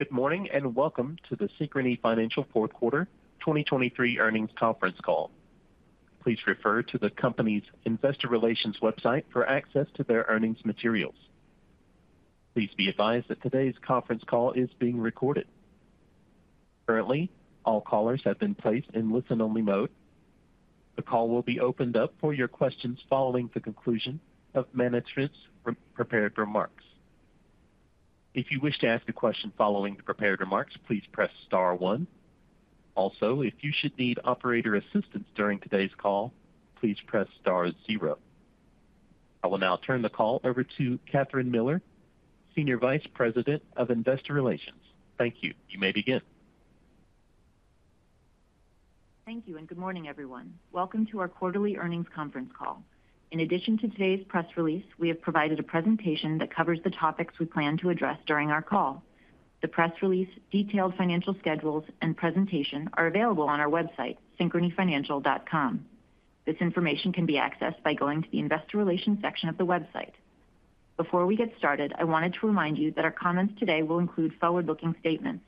Good morning, and welcome to the Synchrony Financial Fourth Quarter 2023 Earnings Conference Call. Please refer to the company's investor relations website for access to their earnings materials. Please be advised that today's conference call is being recorded. Currently, all callers have been placed in listen-only mode. The call will be opened up for your questions following the conclusion of management's prepared remarks. If you wish to ask a question following the prepared remarks, please press star one. Also, if you should need operator assistance during today's call, please press star zero. I will now turn the call over to Kathryn Miller, Senior Vice President of Investor Relations. Thank you. You may begin. Thank you, and good morning, everyone. Welcome to our quarterly earnings conference call. In addition to today's press release, we have provided a presentation that covers the topics we plan to address during our call. The press release, detailed financial schedules, and presentation are available on our website, synchronyfinancial.com. This information can be accessed by going to the Investor Relations section of the website. Before we get started, I wanted to remind you that our comments today will include forward-looking statements.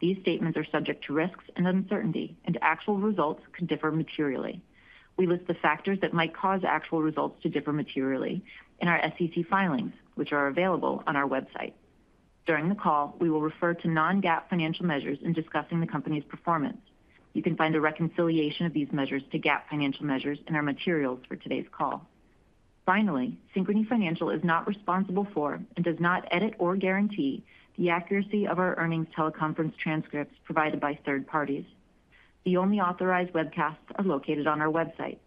These statements are subject to risks and uncertainty, and actual results could differ materially. We list the factors that might cause actual results to differ materially in our SEC filings, which are available on our website. During the call, we will refer to non-GAAP financial measures in discussing the company's performance. You can find a reconciliation of these measures to GAAP financial measures in our materials for today's call. Finally, Synchrony Financial is not responsible for and does not edit or guarantee the accuracy of our earnings teleconference transcripts provided by third parties. The only authorized webcasts are located on our website.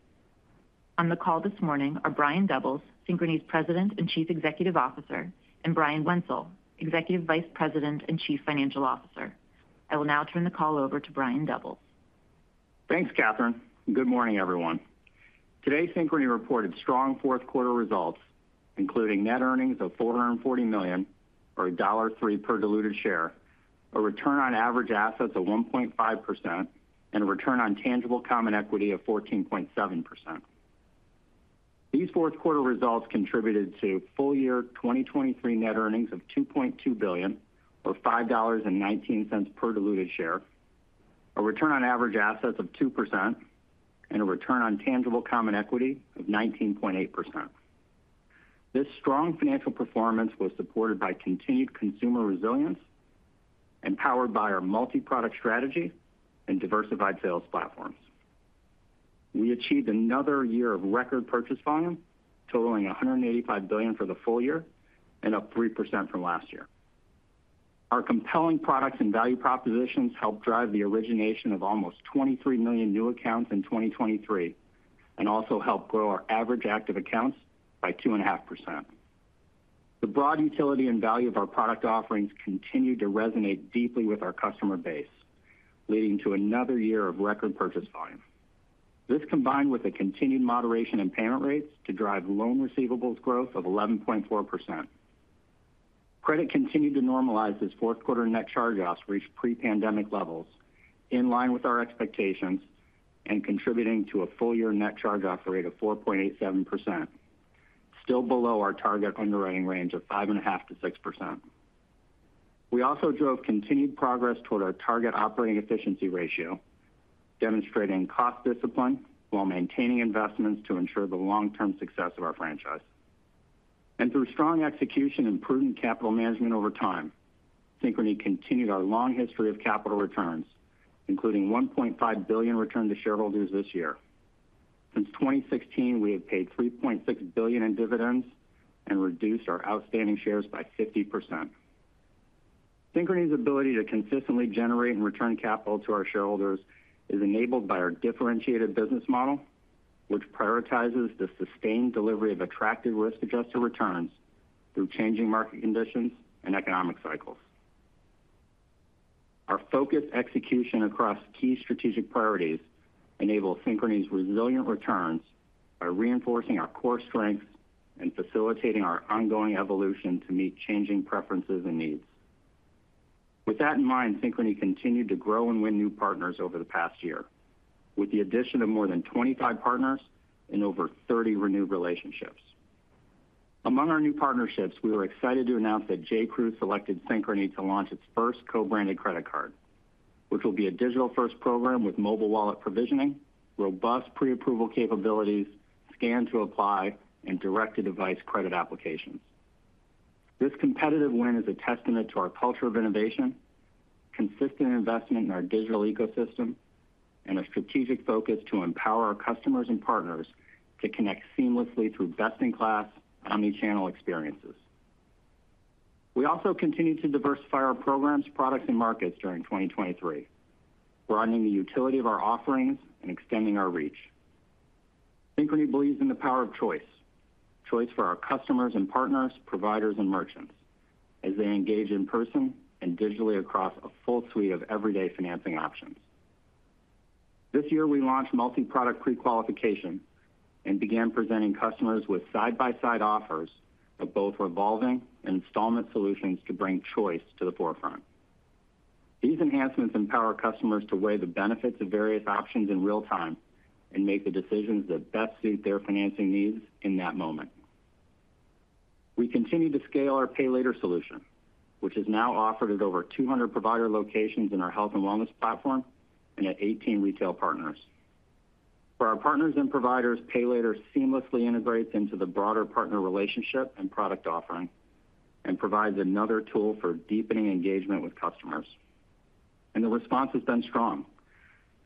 On the call this morning are Brian Doubles, Synchrony's President and Chief Executive Officer, and Brian Wenzel, Executive Vice President and Chief Financial Officer. I will now turn the call over to Brian Doubles. Thanks, Kathryn, and good morning, everyone. Today, Synchrony reported strong fourth-quarter results, including net earnings of $440 million, or $3 per diluted share, a return on average assets of 1.5%, and a return on tangible common equity of 14.7%. These fourth-quarter results contributed to full-year 2023 net earnings of $2.2 billion, or $5.19 per diluted share, a return on average assets of 2%, and a return on tangible common equity of 19.8%. This strong financial performance was supported by continued consumer resilience and powered by our multi-product strategy and diversified sales platforms. We achieved another year of record purchase volume, totaling $185 billion for the full year and up 3% from last year. Our compelling products and value propositions helped drive the origination of almost 23 million new accounts in 2023, and also helped grow our average active accounts by 2.5%. The broad utility and value of our product offerings continued to resonate deeply with our customer base, leading to another year of record purchase volume. This, combined with a continued moderation in payment rates, to drive loan receivables growth of 11.4%. Credit continued to normalize as fourth quarter net charge-offs reached pre-pandemic levels in line with our expectations and contributing to a full-year net charge-off rate of 4.87%, still below our target underwriting range of 5.5%-6%. We also drove continued progress toward our target operating efficiency ratio, demonstrating cost discipline while maintaining investments to ensure the long-term success of our franchise. Through strong execution and prudent capital management over time, Synchrony continued our long history of capital returns, including $1.5 billion returned to shareholders this year. Since 2016, we have paid $3.6 billion in dividends and reduced our outstanding shares by 50%. Synchrony's ability to consistently generate and return capital to our shareholders is enabled by our differentiated business model, which prioritizes the sustained delivery of attractive risk-adjusted returns through changing market conditions and economic cycles. Our focused execution across key strategic priorities enables Synchrony's resilient returns by reinforcing our core strengths and facilitating our ongoing evolution to meet changing preferences and needs. With that in mind, Synchrony continued to grow and win new partners over the past year, with the addition of more than 25 partners and over 30 renewed relationships. Among our new partnerships, we are excited to announce that J.Crew selected Synchrony to launch its first co-branded credit card, which will be a digital-first program with mobile wallet provisioning, robust pre-approval capabilities, scan to apply, and direct-to-device credit applications. This competitive win is a testament to our culture of innovation, consistent investment in our digital ecosystem, and a strategic focus to empower our customers and partners to connect seamlessly through best-in-class omnichannel experiences. We also continued to diversify our programs, products, and markets during 2023, broadening the utility of our offerings and extending our reach. Synchrony believes in the power of choice, choice for our customers and partners, providers, and merchants, as they engage in person and digitally across a full suite of everyday financing options. This year, we launched multi-product pre-qualification and began presenting customers with side-by-side offers of both revolving and installment solutions to bring choice to the forefront. These enhancements empower customers to weigh the benefits of various options in real time and make the decisions that best suit their financing needs in that moment... We continue to scale our Pay Later solution, which is now offered at over 200 provider locations in our health and wellness platform and at 18 retail partners. For our partners and providers, Pay Later seamlessly integrates into the broader partner relationship and product offering, and provides another tool for deepening engagement with customers. The response has been strong.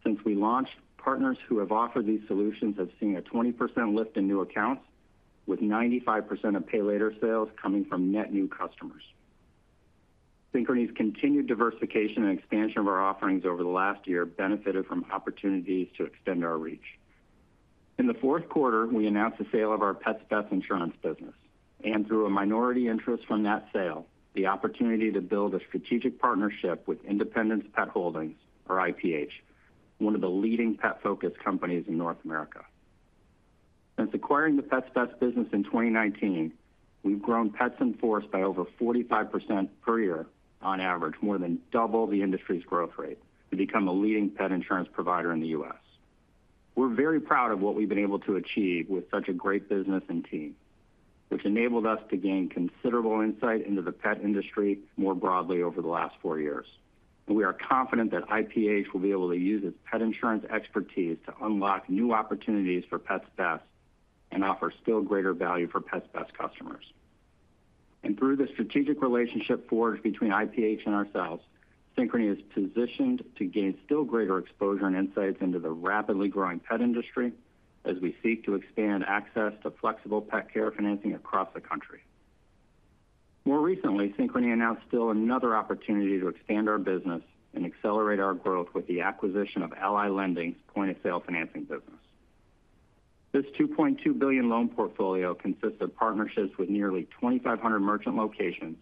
Since we launched, partners who have offered these solutions have seen a 20% lift in new accounts, with 95% of Pay Later sales coming from net new customers. Synchrony's continued diversification and expansion of our offerings over the last year benefited from opportunities to extend our reach. In the fourth quarter, we announced the sale of our Pets Best Insurance business, and through a minority interest from that sale, the opportunity to build a strategic partnership with Independence Pet Holdings, or IPH, one of the leading pet-focused companies in North America. Since acquiring the Pets Best business in 2019, we've grown pet insurance by over 45% per year on average, more than double the industry's growth rate, to become a leading pet insurance provider in the U.S. We're very proud of what we've been able to achieve with such a great business and team, which enabled us to gain considerable insight into the pet industry more broadly over the last four years. We are confident that IPH will be able to use its pet insurance expertise to unlock new opportunities for Pets Best and offer still greater value for Pets Best customers. Through the strategic relationship forged between IPH and ourselves, Synchrony is positioned to gain still greater exposure and insights into the rapidly growing pet industry as we seek to expand access to flexible pet care financing across the country. More recently, Synchrony announced still another opportunity to expand our business and accelerate our growth with the acquisition of Ally Lending's point-of-sale financing business. This $2.2 billion loan portfolio consists of partnerships with nearly 2,500 merchant locations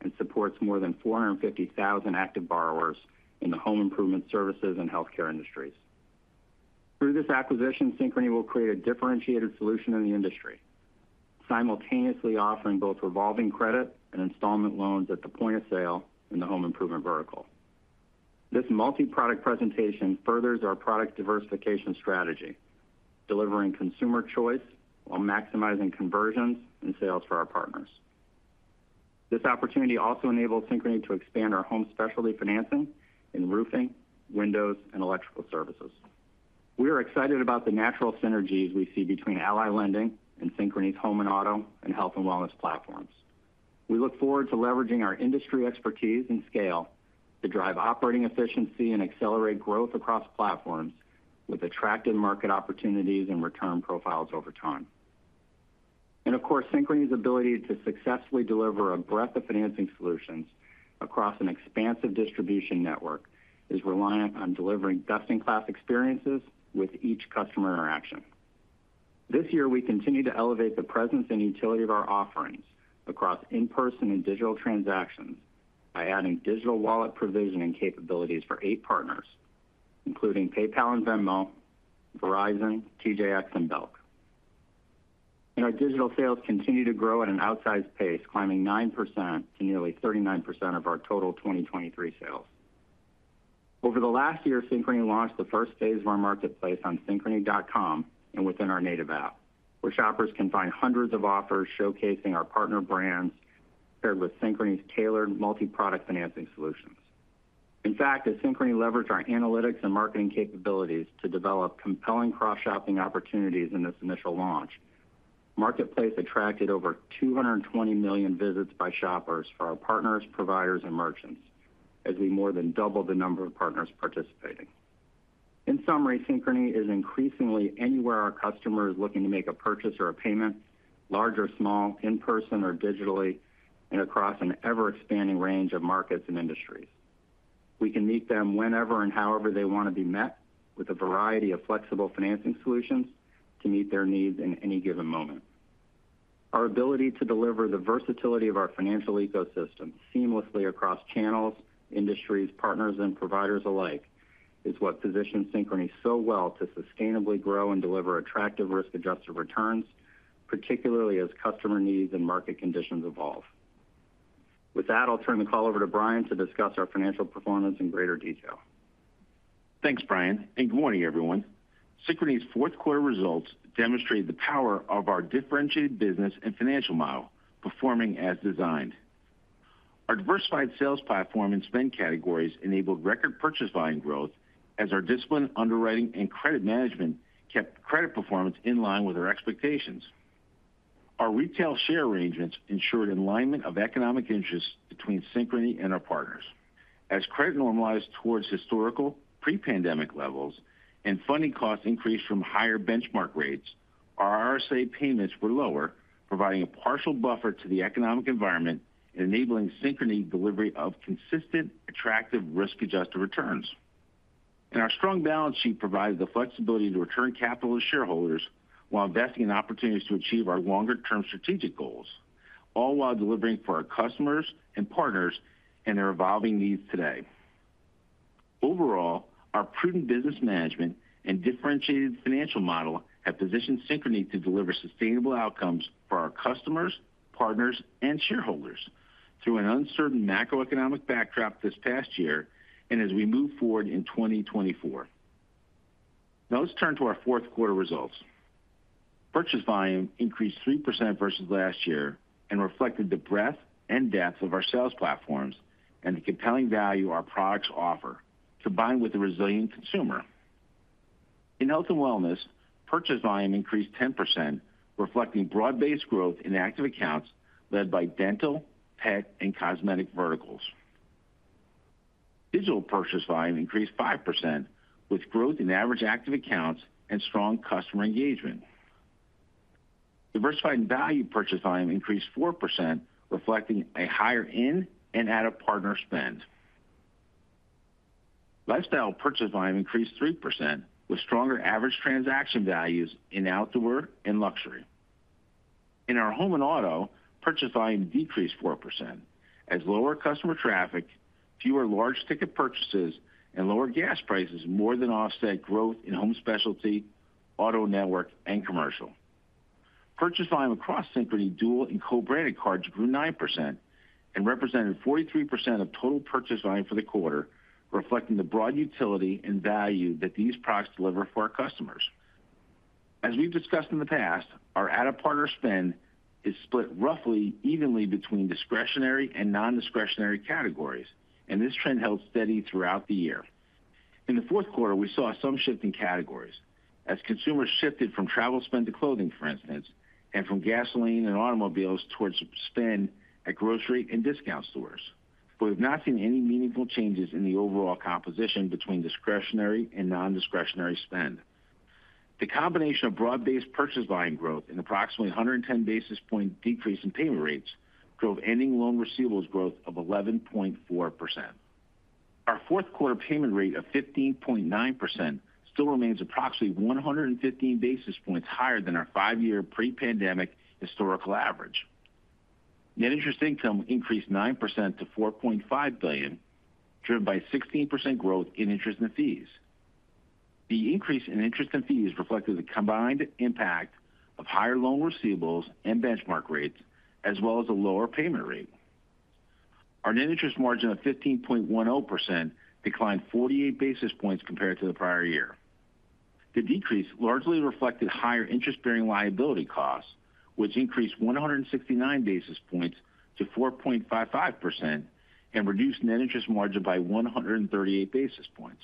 and supports more than 450,000 active borrowers in the home improvement services and healthcare industries. Through this acquisition, Synchrony will create a differentiated solution in the industry, simultaneously offering both revolving credit and installment loans at the point of sale in the home improvement vertical. This multi-product presentation furthers our product diversification strategy, delivering consumer choice while maximizing conversions and sales for our partners. This opportunity also enables Synchrony to expand our home specialty financing in roofing, windows, and electrical services. We are excited about the natural synergies we see between Ally Lending and Synchrony's home and auto, and health and wellness platforms. We look forward to leveraging our industry expertise and scale to drive operating efficiency and accelerate growth across platforms, with attractive market opportunities and return profiles over time. And of course, Synchrony's ability to successfully deliver a breadth of financing solutions across an expansive distribution network is reliant on delivering best-in-class experiences with each customer interaction. This year, we continued to elevate the presence and utility of our offerings across in-person and digital transactions by adding digital wallet provisioning capabilities for eight partners, including PayPal and Venmo, Verizon, TJX, and Belk. Our digital sales continue to grow at an outsized pace, climbing 9% to nearly 39% of our total 2023 sales. Over the last year, Synchrony launched the first phase of our marketplace on synchrony.com and within our native app, where shoppers can find hundreds of offers showcasing our partner brands, paired with Synchrony's tailored multi-product financing solutions. In fact, as Synchrony leveraged our analytics and marketing capabilities to develop compelling cross-shopping opportunities in this initial launch, Marketplace attracted over 220 million visits by shoppers for our partners, providers, and merchants, as we more than doubled the number of partners participating. In summary, Synchrony is increasingly anywhere our customer is looking to make a purchase or a payment, large or small, in person or digitally, and across an ever-expanding range of markets and industries. We can meet them whenever and however they want to be met, with a variety of flexible financing solutions to meet their needs in any given moment. Our ability to deliver the versatility of our financial ecosystem seamlessly across channels, industries, partners, and providers alike, is what positions Synchrony so well to sustainably grow and deliver attractive risk-adjusted returns, particularly as customer needs and market conditions evolve. With that, I'll turn the call over to Brian to discuss our financial performance in greater detail. Thanks, Brian, and good morning, everyone. Synchrony's fourth quarter results demonstrate the power of our differentiated business and financial model, performing as designed. Our diversified sales platform and spend categories enabled record purchase volume growth, as our disciplined underwriting and credit management kept credit performance in line with our expectations. Our retail share arrangements ensured alignment of economic interests between Synchrony and our partners. As credit normalized towards historical pre-pandemic levels and funding costs increased from higher benchmark rates, our RSA payments were lower, providing a partial buffer to the economic environment and enabling Synchrony delivery of consistent, attractive, risk-adjusted returns. Our strong balance sheet provided the flexibility to return capital to shareholders while investing in opportunities to achieve our longer-term strategic goals, all while delivering for our customers and partners and their evolving needs today. Overall, our prudent business management and differentiated financial model have positioned Synchrony to deliver sustainable outcomes for our customers, partners, and shareholders through an uncertain macroeconomic backdrop this past year, and as we move forward in 2024. Now let's turn to our fourth quarter results. Purchase volume increased 3% versus last year, and reflected the breadth and depth of our sales platforms and the compelling value our products offer, combined with the resilient consumer. In health and wellness, purchase volume increased 10%, reflecting broad-based growth in active accounts led by dental, pet, and cosmetic verticals. Digital purchase volume increased 5%, with growth in average active accounts and strong customer engagement. Diversified and value purchase volume increased 4%, reflecting a higher in and out-of-partner spend. Lifestyle purchase volume increased 3%, with stronger average transaction values in outdoor and luxury. In our home and auto, purchase volume decreased 4%, as lower customer traffic, fewer large ticket purchases, and lower gas prices more than offset growth in home specialty, auto network, and commercial. Purchase volume across Synchrony dual and co-branded cards grew 9% and represented 43% of total purchase volume for the quarter, reflecting the broad utility and value that these products deliver for our customers. As we've discussed in the past, our out-of-partner spend is split roughly evenly between discretionary and non-discretionary categories, and this trend held steady throughout the year. In the fourth quarter, we saw some shift in categories as consumers shifted from travel spend to clothing, for instance, and from gasoline and automobiles towards spend at grocery and discount stores. But we've not seen any meaningful changes in the overall composition between discretionary and non-discretionary spend. The combination of broad-based purchase volume growth and approximately 110 basis points decrease in payment rates drove ending loan receivables growth of 11.4%. Our fourth quarter payment rate of 15.9% still remains approximately 115 basis points higher than our five-year pre-pandemic historical average. Net interest income increased 9% to $4.5 billion, driven by 16% growth in interest and fees. The increase in interest and fees reflected the combined impact of higher loan receivables and benchmark rates, as well as a lower payment rate. Our net interest margin of 15.10% declined 48 basis points compared to the prior year. The decrease largely reflected higher interest-bearing liability costs, which increased 169 basis points to 4.55% and reduced net interest margin by 138 basis points.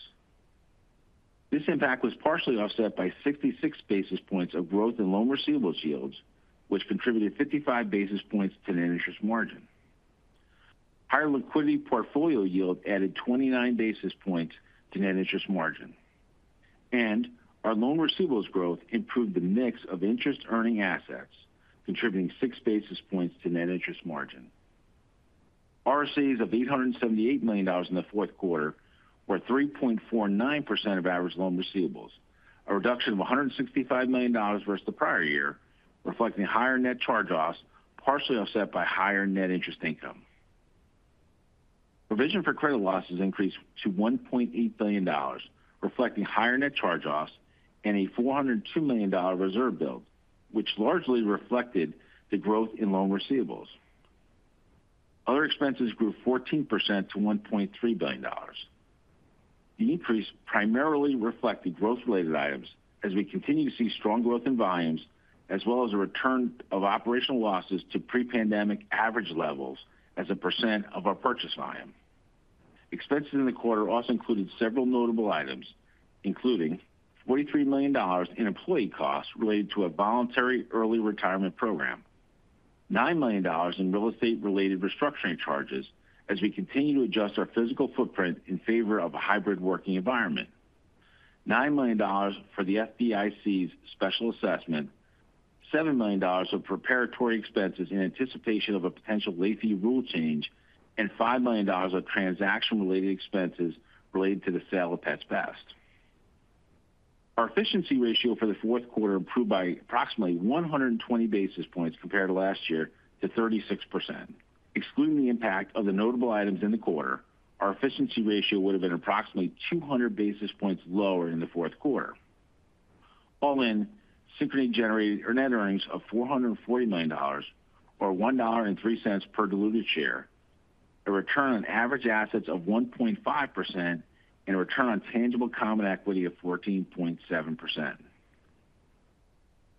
This impact was partially offset by 66 basis points of growth in loan receivables yields, which contributed 55 basis points to net interest margin. Higher liquidity portfolio yield added 29 basis points to net interest margin, and our loan receivables growth improved the mix of interest-earning assets, contributing 6 basis points to net interest margin. RSAs of $878 million in the fourth quarter were 3.49% of average loan receivables, a reduction of $165 million versus the prior year, reflecting higher net charge-offs, partially offset by higher net interest income. Provision for credit losses increased to $1.8 billion, reflecting higher net charge-offs and a $402 million reserve build, which largely reflected the growth in loan receivables. Other expenses grew 14% to $1.3 billion. The increase primarily reflected growth-related items as we continue to see strong growth in volumes, as well as a return of operational losses to pre-pandemic average levels as a % of our purchase volume. Expenses in the quarter also included several notable items, including $43 million in employee costs related to a voluntary early retirement program, $9 million in real estate-related restructuring charges as we continue to adjust our physical footprint in favor of a hybrid working environment, $9 million for the FDIC's special assessment, $7 million of preparatory expenses in anticipation of a potential late fee rule change, and $5 million of transaction-related expenses related to the sale of Pets Best. Our efficiency ratio for the fourth quarter improved by approximately 120 basis points compared to last year to 36%. Excluding the impact of the notable items in the quarter, our efficiency ratio would have been approximately 200 basis points lower in the fourth quarter. All in, Synchrony generated net earnings of $440 million, or $1.03 per diluted share, a return on average assets of 1.5%, and a return on tangible common equity of 14.7%.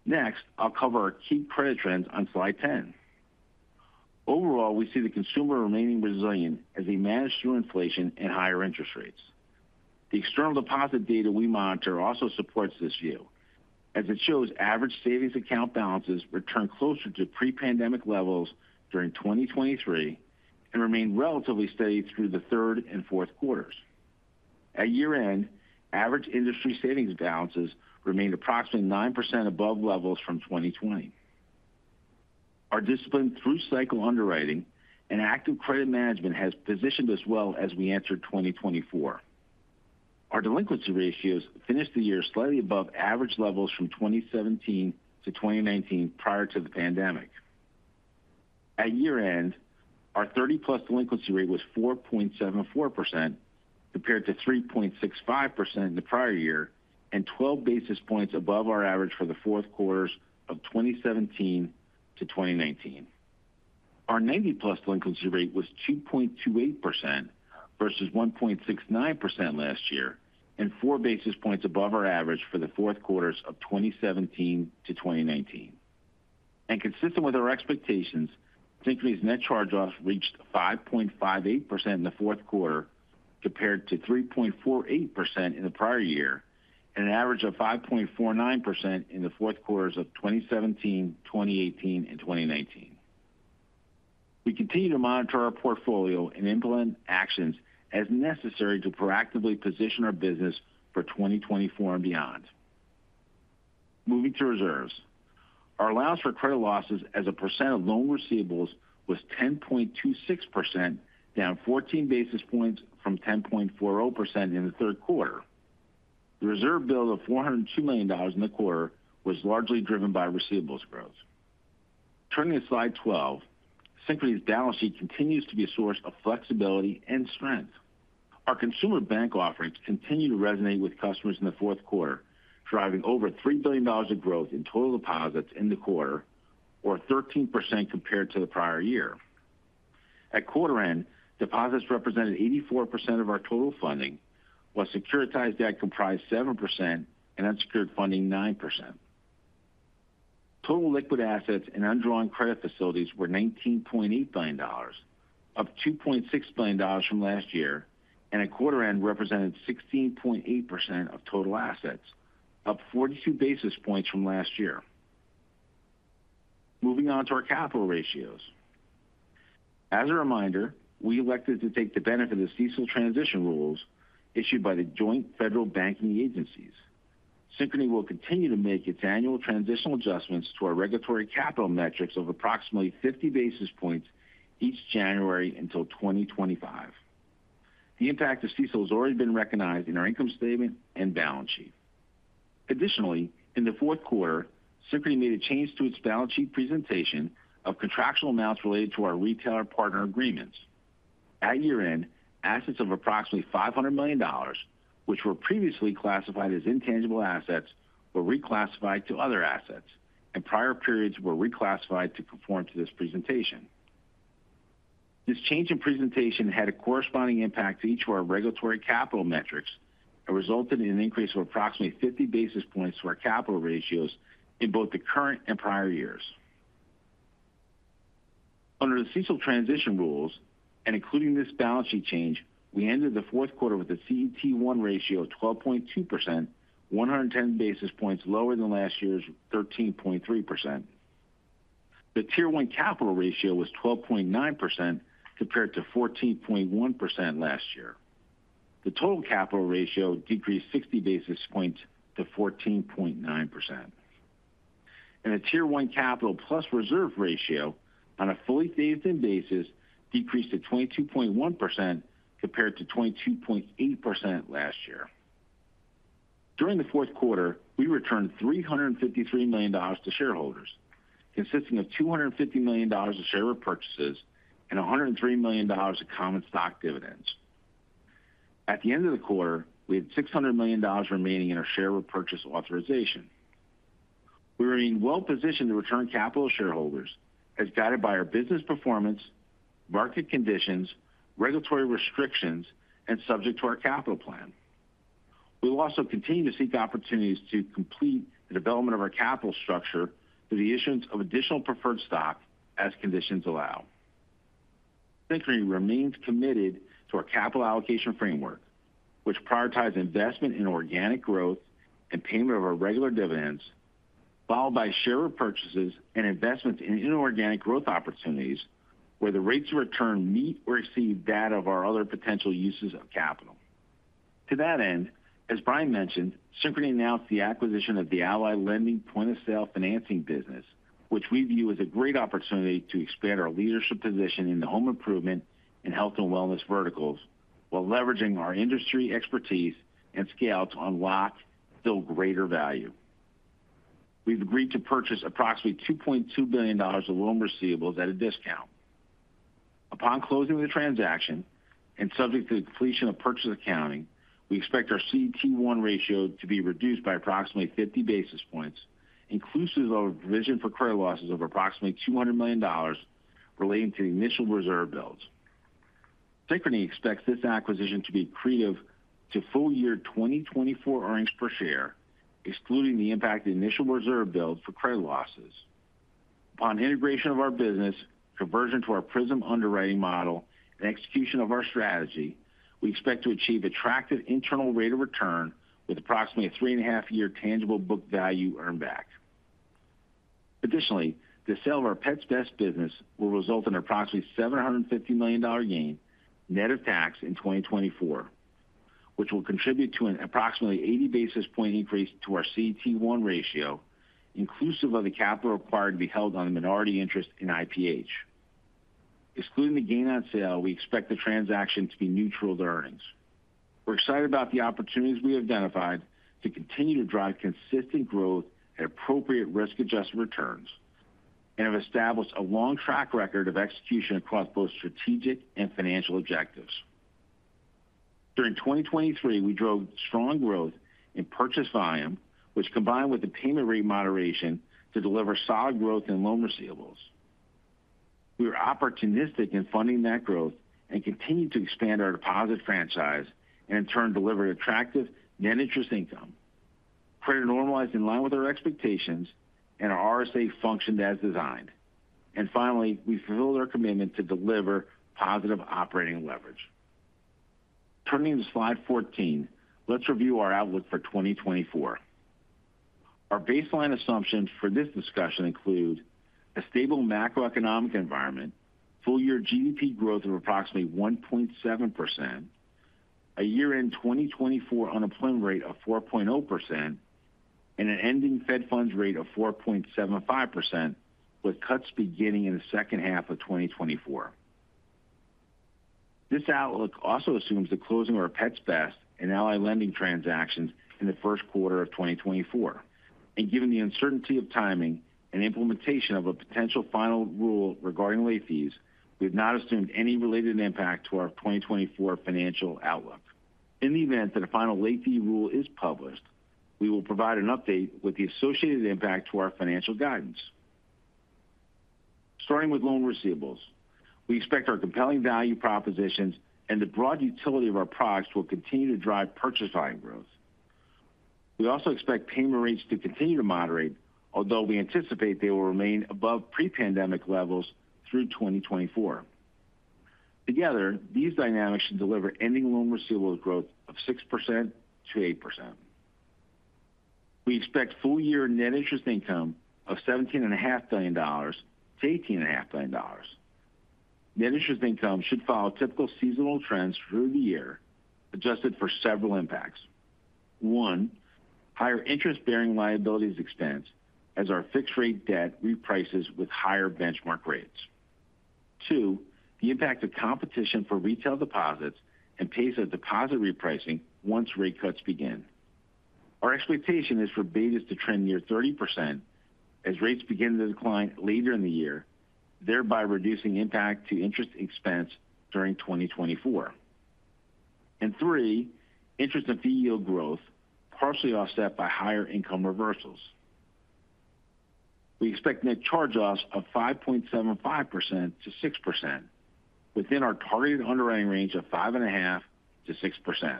Next, I'll cover our key credit trends on slide 10. Overall, we see the consumer remaining resilient as we manage through inflation and higher interest rates. The external deposit data we monitor also supports this view, as it shows average savings account balances return closer to pre-pandemic levels during 2023 and remain relatively steady through the third and fourth quarters. At year-end, average industry savings balances remained approximately 9% above levels from 2020. Our discipline through cycle underwriting and active credit management has positioned us well as we enter 2024. Our delinquency ratios finished the year slightly above average levels from 2017 to 2019, prior to the pandemic. At year-end, our 30+ delinquency rate was 4.74%, compared to 3.65% in the prior year, and 12 basis points above our average for the fourth quarters of 2017 to 2019. Our 90+ delinquency rate was 2.28% versus 1.69% last year, and 4 basis points above our average for the fourth quarters of 2017 to 2019. Consistent with our expectations, Synchrony's net charge-off reached 5.58% in the fourth quarter, compared to 3.48% in the prior year, and an average of 5.49% in the fourth quarters of 2017, 2018, and 2019. We continue to monitor our portfolio and implement actions as necessary to proactively position our business for 2024 and beyond. Moving to reserves. Our allowance for credit losses as a percent of loan receivables was 10.26%, down 14 basis points from 10.4% in the third quarter. The reserve build of $402 million in the quarter was largely driven by receivables growth. Turning to Slide 12, Synchrony's balance sheet continues to be a source of flexibility and strength. Our consumer bank offerings continued to resonate with customers in the fourth quarter, driving over $3 billion of growth in total deposits in the quarter, or 13% compared to the prior year. At quarter end, deposits represented 84% of our total funding, while securitized debt comprised 7% and unsecured funding, 9%. Total liquid assets and undrawn credit facilities were $19.8 billion, up $2.6 billion from last year, and at quarter end represented 16.8% of total assets, up 42 basis points from last year. Moving on to our capital ratios. As a reminder, we elected to take the benefit of the CECL transition rules issued by the joint federal banking agencies. Synchrony will continue to make its annual transitional adjustments to our regulatory capital metrics of approximately 50 basis points each January until 2025. The impact of CECL has already been recognized in our income statement and balance sheet. Additionally, in the fourth quarter, Synchrony made a change to its balance sheet presentation of contractual amounts related to our retailer partner agreements. At year-end, assets of approximately $500 million, which were previously classified as intangible assets, were reclassified to other assets, and prior periods were reclassified to conform to this presentation. This change in presentation had a corresponding impact to each of our regulatory capital metrics and resulted in an increase of approximately 50 basis points to our capital ratios in both the current and prior years. Under the CECL transition rules and including this balance sheet change, we ended the fourth quarter with a CET1 ratio of 12.2%, 110 basis points lower than last year's 13.3%. The Tier 1 capital ratio was 12.9%, compared to 14.1% last year. The total capital ratio decreased 60 basis points to 14.9%. The Tier 1 capital plus reserve ratio, on a fully phased-in basis, decreased to 22.1%, compared to 22.8% last year. During the fourth quarter, we returned $353 million to shareholders, consisting of $250 million of share repurchases and $103 million of common stock dividends. At the end of the quarter, we had $600 million remaining in our share repurchase authorization. We remain well-positioned to return capital to shareholders, as guided by our business performance, market conditions, regulatory restrictions, and subject to our capital plan. We will also continue to seek opportunities to complete the development of our capital structure through the issuance of additional preferred stock as conditions allow. Synchrony remains committed to our capital allocation framework, which prioritizes investment in organic growth and payment of our regular dividends, followed by share repurchases and investments in inorganic growth opportunities, where the rates of return meet or exceed that of our other potential uses of capital. To that end, as Brian mentioned, Synchrony announced the acquisition of the Ally Lending point-of-sale financing business, which we view as a great opportunity to expand our leadership position in the home improvement and health and wellness verticals, while leveraging our industry expertise and scale to unlock still greater value. We've agreed to purchase approximately $2.2 billion of loan receivables at a discount. Upon closing the transaction, and subject to the completion of purchase accounting, we expect our CET1 ratio to be reduced by approximately 50 basis points, inclusive of a provision for credit losses of approximately $200 million, relating to the initial reserve builds. Synchrony expects this acquisition to be accretive to full year 2024 earnings per share, excluding the impact of the initial reserve build for credit losses. Upon integration of our business, conversion to our Prism underwriting model, and execution of our strategy, we expect to achieve attractive internal rate of return with approximately a 3.5-year tangible book value earn back. Additionally, the sale of our Pets Best business will result in approximately $750 million gain, net of tax in 2024, which will contribute to an approximately 80 basis point increase to our CET1 ratio, inclusive of the capital required to be held on the minority interest in IPH. Excluding the gain on sale, we expect the transaction to be neutral to earnings. We're excited about the opportunities we identified to continue to drive consistent growth at appropriate risk-adjusted returns and have established a long track record of execution across both strategic and financial objectives. During 2023, we drove strong growth in purchase volume, which combined with the payment rate moderation, to deliver solid growth in loan receivables. We were opportunistic in funding that growth and continued to expand our deposit franchise, and in turn, delivered attractive net interest income. Credit normalized in line with our expectations, and our RSA functioned as designed. And finally, we fulfilled our commitment to deliver positive operating leverage. Turning to slide 14, let's review our outlook for 2024. Our baseline assumptions for this discussion include a stable macroeconomic environment, full-year GDP growth of approximately 1.7%, a year-end 2024 unemployment rate of 4.0%, and an ending Fed funds rate of 4.75%, with cuts beginning in the second half of 2024. This outlook also assumes the closing of our Pets Best and Ally Lending transactions in the first quarter of 2024. And given the uncertainty of timing and implementation of a potential final rule regarding late fees, we have not assumed any related impact to our 2024 financial outlook. In the event that a final late fee rule is published, we will provide an update with the associated impact to our financial guidance. Starting with loan receivables, we expect our compelling value propositions and the broad utility of our products will continue to drive purchase volume growth. We also expect payment rates to continue to moderate, although we anticipate they will remain above pre-pandemic levels through 2024. Together, these dynamics should deliver ending loan receivables growth of 6%-8%. We expect full-year net interest income of $17.5 billion-$18.5 billion. Net interest income should follow typical seasonal trends through the year, adjusted for several impacts. One, higher interest-bearing liabilities expense as our fixed-rate debt reprices with higher benchmark rates. Two, the impact of competition for retail deposits and pace of deposit repricing once rate cuts begin. Our expectation is for betas to trend near 30% as rates begin to decline later in the year, thereby reducing impact to interest expense during 2024. And three, interest and fee yield growth, partially offset by higher income reversals. We expect net charge-offs of 5.75%-6%, within our targeted underwriting range of 5.5%-6%.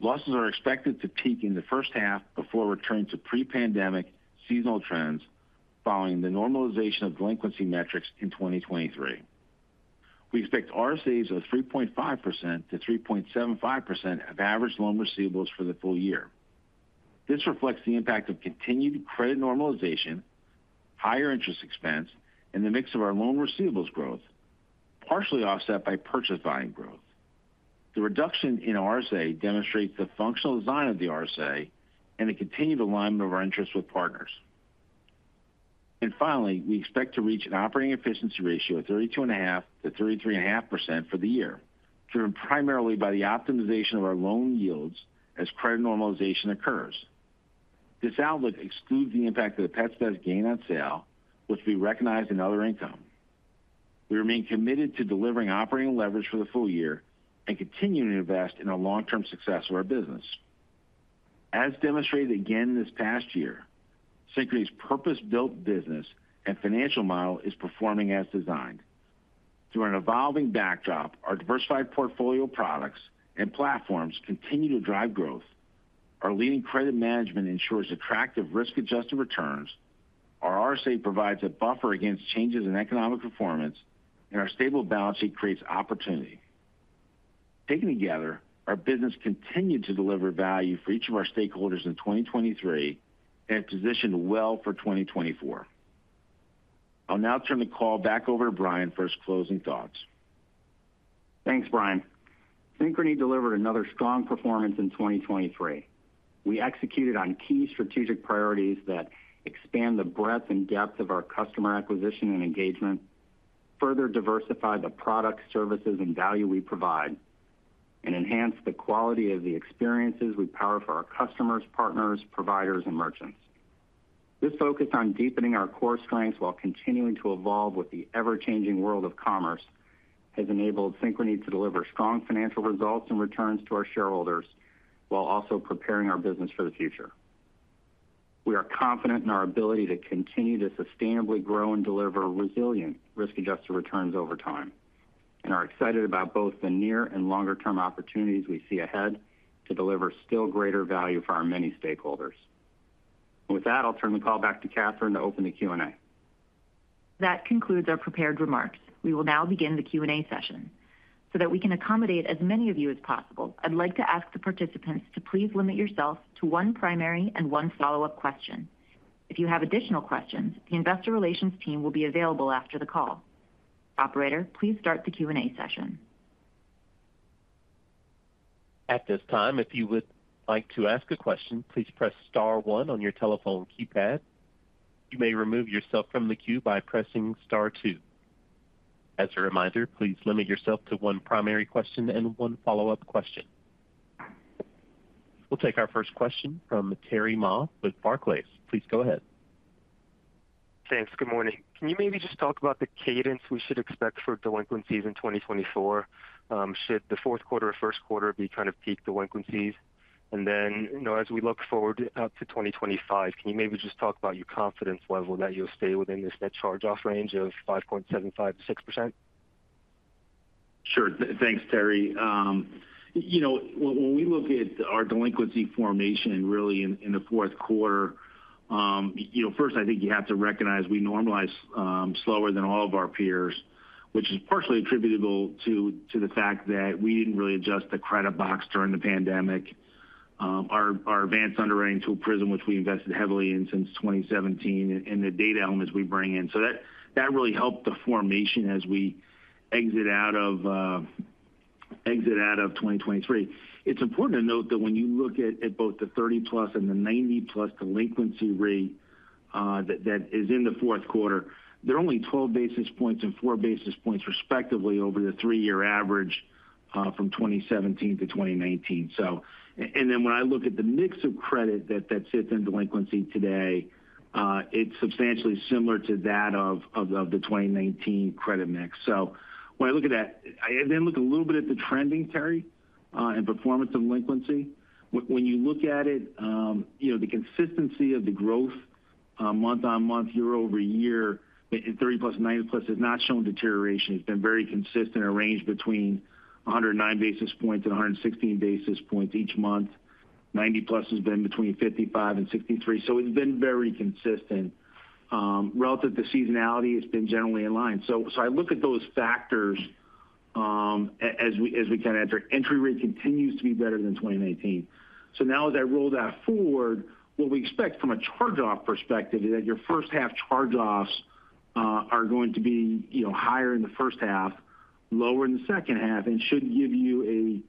Losses are expected to peak in the first half before returning to pre-pandemic seasonal trends, following the normalization of delinquency metrics in 2023. We expect RSAs of 3.5%-3.75% of average loan receivables for the full year. This reflects the impact of continued credit normalization, higher interest expense, and the mix of our loan receivables growth, partially offset by purchase volume growth. The reduction in RSA demonstrates the functional design of the RSA and the continued alignment of our interests with partners. Finally, we expect to reach an operating efficiency ratio of 32.5%-33.5% for the year, driven primarily by the optimization of our loan yields as credit normalization occurs. This outlook excludes the impact of the Pets Best gain on sale, which will be recognized in other income. We remain committed to delivering operating leverage for the full year and continuing to invest in the long-term success of our business. As demonstrated again this past year, Synchrony's purpose-built business and financial model is performing as designed. Through an evolving backdrop, our diversified portfolio of products and platforms continue to drive growth. Our leading credit management ensures attractive risk-adjusted returns. Our RSA provides a buffer against changes in economic performance, and our stable balance sheet creates opportunity. Taken together, our business continued to deliver value for each of our stakeholders in 2023 and is positioned well for 2024. I'll now turn the call back over to Brian for his closing thoughts. Thanks, Brian. Synchrony delivered another strong performance in 2023. We executed on key strategic priorities that expand the breadth and depth of our customer acquisition and engagement, further diversify the products, services, and value we provide, and enhance the quality of the experiences we power for our customers, partners, providers, and merchants. This focus on deepening our core strengths while continuing to evolve with the ever-changing world of commerce, has enabled Synchrony to deliver strong financial results and returns to our shareholders, while also preparing our business for the future. We are confident in our ability to continue to sustainably grow and deliver resilient risk-adjusted returns over time, and are excited about both the near and longer-term opportunities we see ahead to deliver still greater value for our many stakeholders. With that, I'll turn the call back to Kathryn to open the Q&A. That concludes our prepared remarks. We will now begin the Q&A session. So that we can accommodate as many of you as possible, I'd like to ask the participants to please limit yourself to one primary and one follow-up question. If you have additional questions, the investor relations team will be available after the call. Operator, please start the Q&A session. At this time, if you would like to ask a question, please press star one on your telephone keypad. You may remove yourself from the queue by pressing star two. As a reminder, please limit yourself to one primary question and one follow-up question. We'll take our first question from Terry Ma with Barclays. Please go ahead. Thanks. Good morning. Can you maybe just talk about the cadence we should expect for delinquencies in 2024? Should the fourth quarter or first quarter be kind of peak delinquencies? And then, you know, as we look forward out to 2025, can you maybe just talk about your confidence level that you'll stay within this net charge-off range of 5.75%-6%? Sure. Thanks, Terry. You know, when we look at our delinquency formation, really in the fourth quarter, you know, first, I think you have to recognize we normalize slower than all of our peers, which is partially attributable to the fact that we didn't really adjust the credit box during the pandemic. Our advanced underwriting tool, Prism, which we invested heavily in since 2017, and the data elements we bring in. So that really helped the formation as we exit out of 2023. It's important to note that when you look at both the 30+ and the 90+ delinquency rate, that is in the fourth quarter, they're only 12 basis points and 4 basis points, respectively, over the three-year average from 2017 to 2019. So, and then when I look at the mix of credit that sits in delinquency today, it's substantially similar to that of the 2019 credit mix. So when I look at that, I then look a little bit at the trending, Terry, and performance of delinquency. When you look at it, you know, the consistency of the growth month-on-month, year-over-year, in 30+, 90+ has not shown deterioration. It's been very consistent and ranged between 109 basis points and 116 basis points each month. 90+ has been between 55 and 63, so it's been very consistent. Relative to seasonality, it's been generally in line. So I look at those factors as we kind of enter. Entry rate continues to be better than 2019. So now as I roll that forward, what we expect from a charge-off perspective is that your first half charge-offs are going to be, you know, higher in the first half, lower in the second half, and should give you a,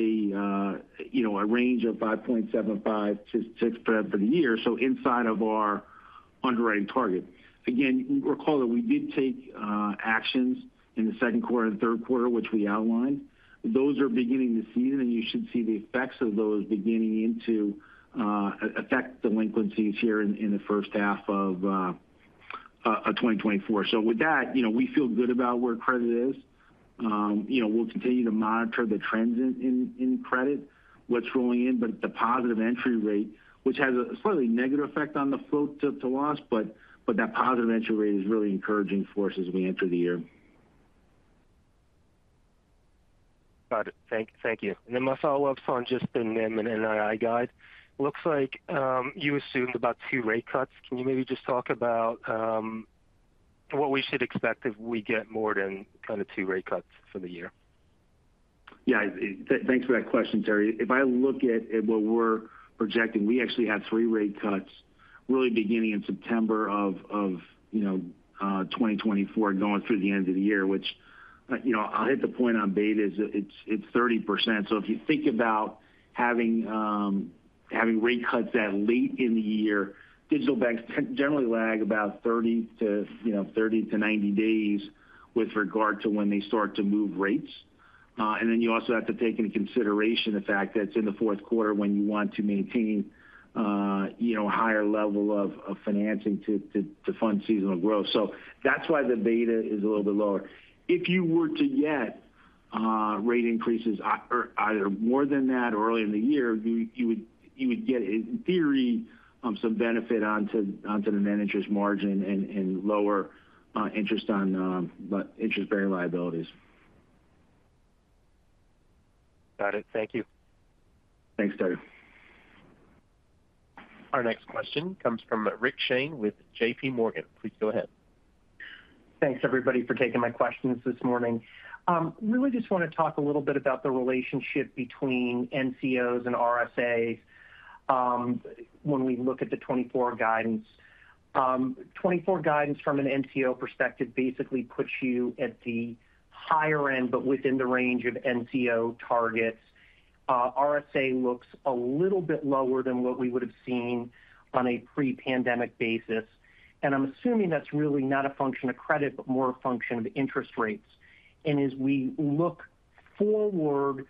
you know, a range of 5.75%-6% for the year, so inside of our underwriting target. Again, you can recall that we did take actions in the second quarter and third quarter, which we outlined. Those are beginning to season, and you should see the effects of those beginning to affect delinquencies here in the first half of 2024. So with that, you know, we feel good about where credit is. You know, we'll continue to monitor the trends in credit, what's rolling in, but the positive entry rate, which has a slightly negative effect on the float to loss, but that positive entry rate is really encouraging for us as we enter the year. Got it. Thanks, thank you. And then my follow-up's on just the NIM and NII guide. Looks like you assumed about two rate cuts. Can you maybe just talk about what we should expect if we get more than kind of two rate cuts for the year? Yeah, thanks for that question, Terry. If I look at what we're projecting, we actually have 3 rate cuts really beginning in September of 2024, going through the end of the year, which, you know, I'll hit the point on betas. It's 30%. So if you think about having rate cuts that late in the year, digital banks generally lag about 30-90 days with regard to when they start to move rates. And then you also have to take into consideration the fact that it's in the fourth quarter when you want to maintain a higher level of financing to fund seasonal growth. So that's why the beta is a little bit lower. If you were to get rate increases either more than that or early in the year, you would get, in theory, some benefit onto the net interest margin and lower interest on interest-bearing liabilities. Got it. Thank you. Thanks, Terry. Our next question comes from Rick Shane with JP Morgan. Please go ahead. Thanks, everybody, for taking my questions this morning. Really just want to talk a little bit about the relationship between NCOs and RSAs, when we look at the 2024 guidance. 2024 guidance from an NCO perspective basically puts you at the higher end, but within the range of NCO targets. RSA looks a little bit lower than what we would have seen on a pre-pandemic basis, and I'm assuming that's really not a function of credit, but more a function of interest rates. And as we look forward,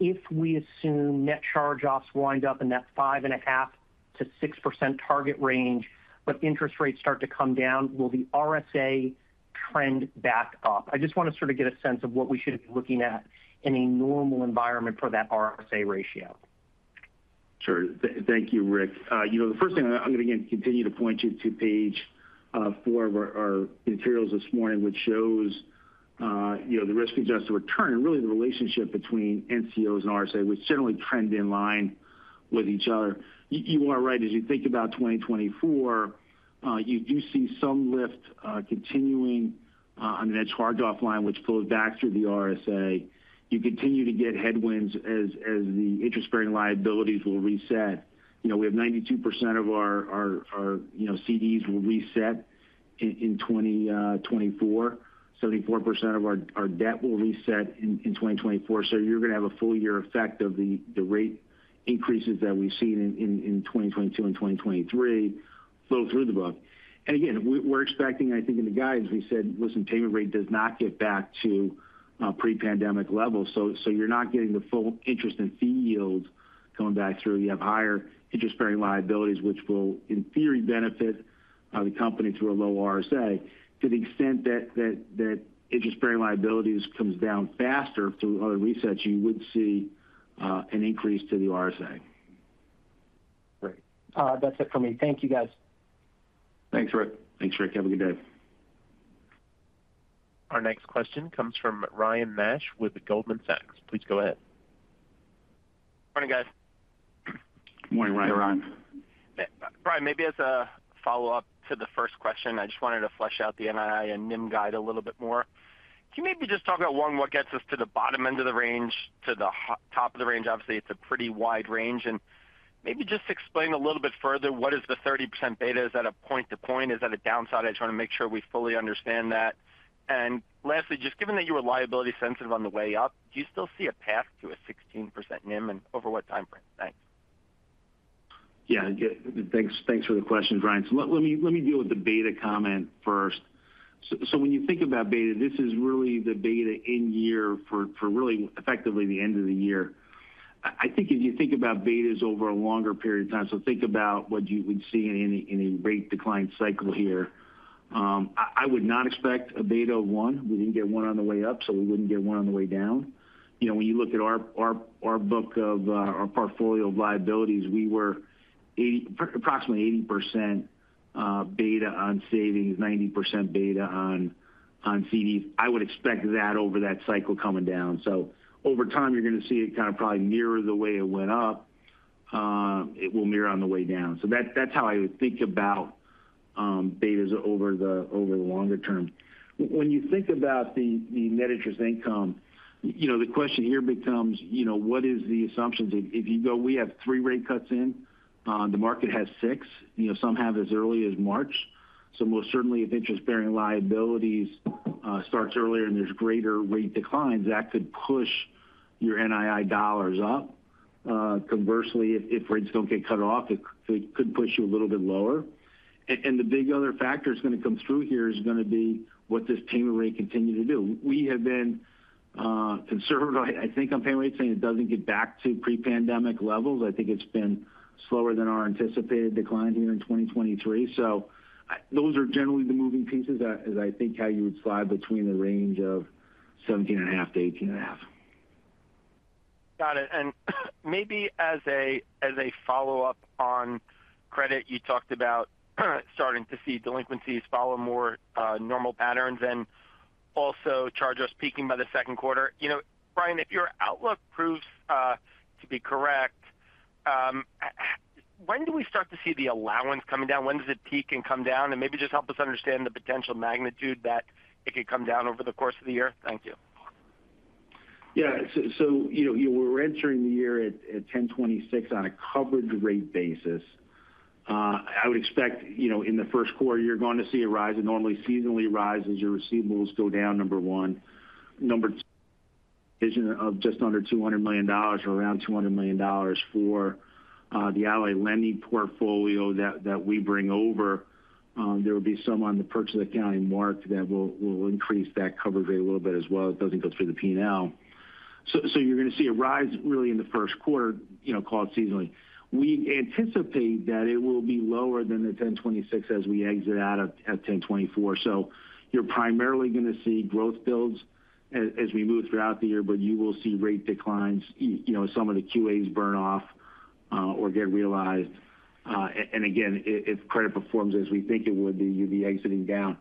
if we assume net charge-offs wind up in that 5.5%-6% target range, but interest rates start to come down, will the RSA trend back up? I just want to sort of get a sense of what we should be looking at in a normal environment for that RSA ratio. Sure. Thank you, Rick. You know, the first thing I'm going to continue to point you to page four of our materials this morning, which shows, you know, the risk-adjusted return and really the relationship between NCOs and RSA, which generally trend in line with each other. You are right. As you think about 2024, you do see some lift continuing on the net charge-off line, which flows back through the RSA. You continue to get headwinds as the interest-bearing liabilities will reset. You know, we have 92% of our CDs will reset in 2024, 74% of our debt will reset in 2024. So you're going to have a full year effect of the rate increases that we've seen in 2022 and 2023 flow through the book. And again, we're expecting, I think in the guidance, we said, listen, payment rate does not get back to pre-pandemic levels. So you're not getting the full interest and fee yields going back through. You have higher interest-bearing liabilities, which will, in theory, benefit the company through a low RSA. To the extent that interest-bearing liabilities comes down faster through other resets, you would see an increase to the RSA. Great. That's it for me. Thank you, guys. Thanks, Rick. Thanks, Rick. Have a good day. Our next question comes from Ryan Nash with Goldman Sachs. Please go ahead. Morning, guys. Morning, Ryan. Hey, Ryan. Brian, maybe as a follow-up to the first question, I just wanted to flesh out the NII and NIM guide a little bit more. Can you maybe just talk about, one, what gets us to the bottom end of the range, to the top of the range? Obviously, it's a pretty wide range. And maybe just explain a little bit further, what is the 30% beta? Is that a point to point? Is that a downside? I just want to make sure we fully understand that. And lastly, just given that you were liability sensitive on the way up, do you still see a path to a 16% NIM, and over what time frame? Thanks. Yeah, yeah. Thanks, thanks for the question, Ryan. So let me deal with the beta comment first. So when you think about beta, this is really the beta in year for really effectively the end of the year. I think if you think about betas over a longer period of time, so think about what you would see in a rate decline cycle here. I would not expect a beta of 1. We didn't get one on the way up, so we wouldn't get one on the way down. You know, when you look at our book of our portfolio of liabilities, we were approximately 80% beta on savings, 90% beta on CDs. I would expect that over that cycle coming down. So over time, you're going to see it kind of probably mirror the way it went up, it will mirror on the way down. So that, that's how I would think about betas over the longer term. When you think about the net interest income, you know, the question here becomes, you know, what is the assumptions? If you go, we have three rate cuts in, the market has six, you know, some have as early as March. So most certainly, if interest-bearing liabilities starts earlier and there's greater rate declines, that could push your NII dollars up. Conversely, if rates don't get cut off, it could push you a little bit lower. And the big other factor that's going to come through here is going to be what this payment rate continue to do. We have been conservative, I think, on payment rates, saying it doesn't get back to pre-pandemic levels. I think it's been slower than our anticipated decline here in 2023. So those are generally the moving pieces, as I think how you would slide between the range of 17.5-18.5. Got it. And maybe as a follow-up on credit, you talked about starting to see delinquencies follow more normal patterns and also charge-offs peaking by the second quarter. You know, Brian, if your outlook proves to be correct, when do we start to see the allowance coming down? When does it peak and come down? And maybe just help us understand the potential magnitude that it could come down over the course of the year. Thank you. Yeah, so, so you know, you know, we're entering the year at, at 10.26 on a coverage rate basis. I would expect, you know, in the first quarter, you're going to see a rise, a normal seasonal rise as your receivables go down, number one. Number two, of just under $200 million or around $200 million for the Ally Lending portfolio that we bring over. There will be some on the purchase accounting mark that will increase that coverage rate a little bit as well. It doesn't go through the P&L. So, you're going to see a rise really in the first quarter, you know, called seasonally. We anticipate that it will be lower than the 10.26 as we exit out of at 10.24. So you're primarily going to see growth builds as we move throughout the year, but you will see rate declines, you know, some of the QAs burn off, or get realized. And again, if credit performs as we think it would, then you'd be exiting down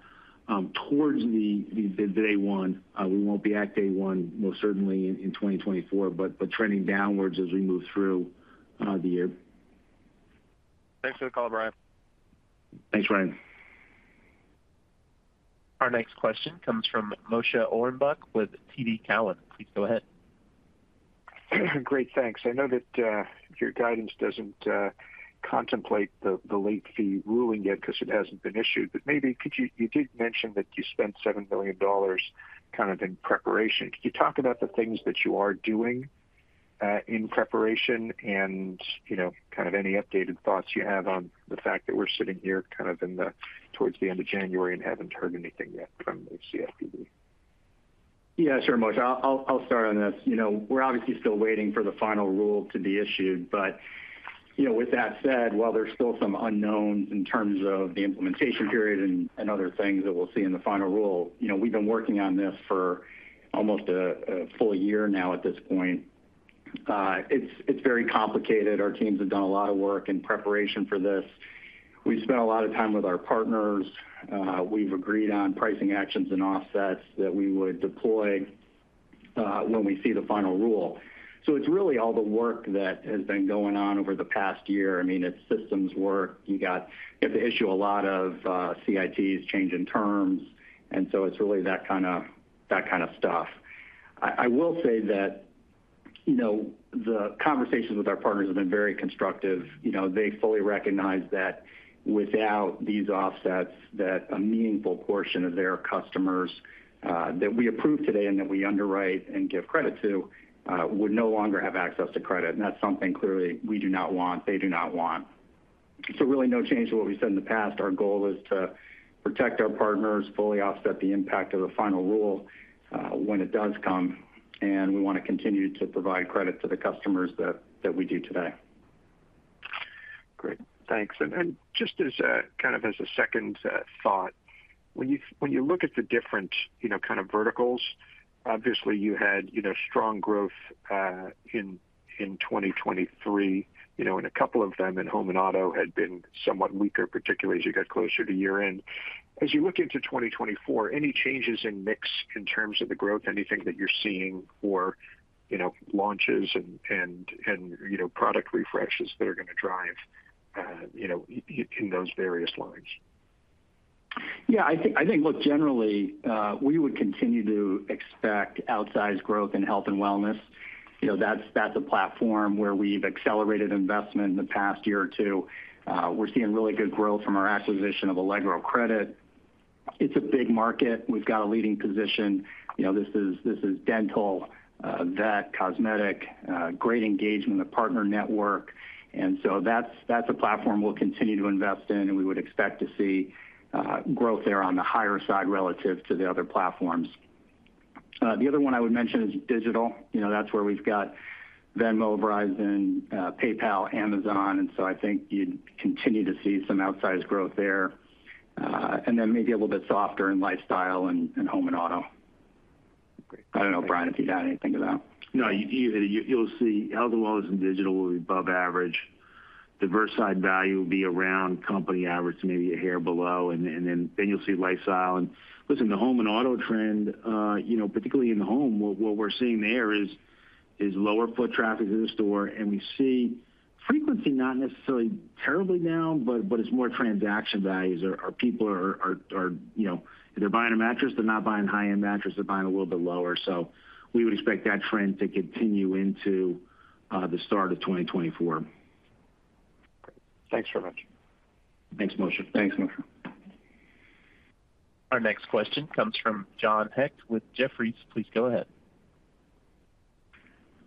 towards the day one. We won't be at day one, most certainly in 2024, but trending downwards as we move through the year. Thanks for the call, Brian. Thanks, Ryan. Our next question comes from Moshe Orenbuch with TD Cowen. Please go ahead. Great, thanks. I know that your guidance doesn't contemplate the late fee ruling yet because it hasn't been issued. But maybe could you—you did mention that you spent $7 million kind of in preparation. Could you talk about the things that you are doing in preparation and, you know, kind of any updated thoughts you have on the fact that we're sitting here kind of in the—towards the end of January and haven't heard anything yet from the CFPB? Yeah, sure, Moshe. I'll start on this. You know, we're obviously still waiting for the final rule to be issued. But, you know, with that said, while there's still some unknowns in terms of the implementation period and other things that we'll see in the final rule, you know, we've been working on this for almost a full year now at this point. It's very complicated. Our teams have done a lot of work in preparation for this. We've spent a lot of time with our partners. We've agreed on pricing actions and offsets that we would deploy when we see the final rule. So it's really all the work that has been going on over the past year. I mean, it's systems work. You have to issue a lot of CITs, change in terms, and so it's really that kind of, that kind of stuff. I will say that-... You know, the conversations with our partners have been very constructive. You know, they fully recognize that without these offsets, that a meaningful portion of their customers that we approve today and that we underwrite and give credit to would no longer have access to credit. And that's something clearly we do not want, they do not want. So really, no change to what we've said in the past. Our goal is to protect our partners, fully offset the impact of the final rule when it does come, and we want to continue to provide credit to the customers that, that we do today. Great, thanks. Just as a kind of as a second thought, when you look at the different you know kind of verticals, obviously you had you know strong growth in 2023, you know, and a couple of them in home and auto had been somewhat weaker, particularly as you got closer to year-end. As you look into 2024, any changes in mix in terms of the growth, anything that you're seeing or you know launches and you know product refreshes that are going to drive in those various lines? Yeah, I think, look, generally, we would continue to expect outsized growth in health and wellness. You know, that's, that's a platform where we've accelerated investment in the past year or two. We're seeing really good growth from our acquisition of Allegro Credit. It's a big market. We've got a leading position. You know, this is, this is dental, vet, cosmetic, great engagement in the partner network. And so that's, that's a platform we'll continue to invest in, and we would expect to see growth there on the higher side relative to the other platforms. The other one I would mention is digital. You know, that's where we've got Venmo, Verizon, PayPal, Amazon, and so I think you'd continue to see some outsized growth there, and then maybe a little bit softer in lifestyle and, in home and auto. Great. I don't know, Brian, if you've got anything to that. No, you, you'll see health and wellness and digital will be above average. Diversified Value will be around company average, maybe a hair below, and then you'll see lifestyle. And listen, the home and auto trend, you know, particularly in the home, what we're seeing there is lower foot traffic in the store, and we see frequency not necessarily terribly down, but it's more transaction values. Our people are, you know, if they're buying a mattress, they're not buying high-end mattress, they're buying a little bit lower. So we would expect that trend to continue into the start of 2024. Great. Thanks very much. Thanks, Moshe. Thanks, Moshe. Our next question comes from John Hecht with Jefferies. Please go ahead.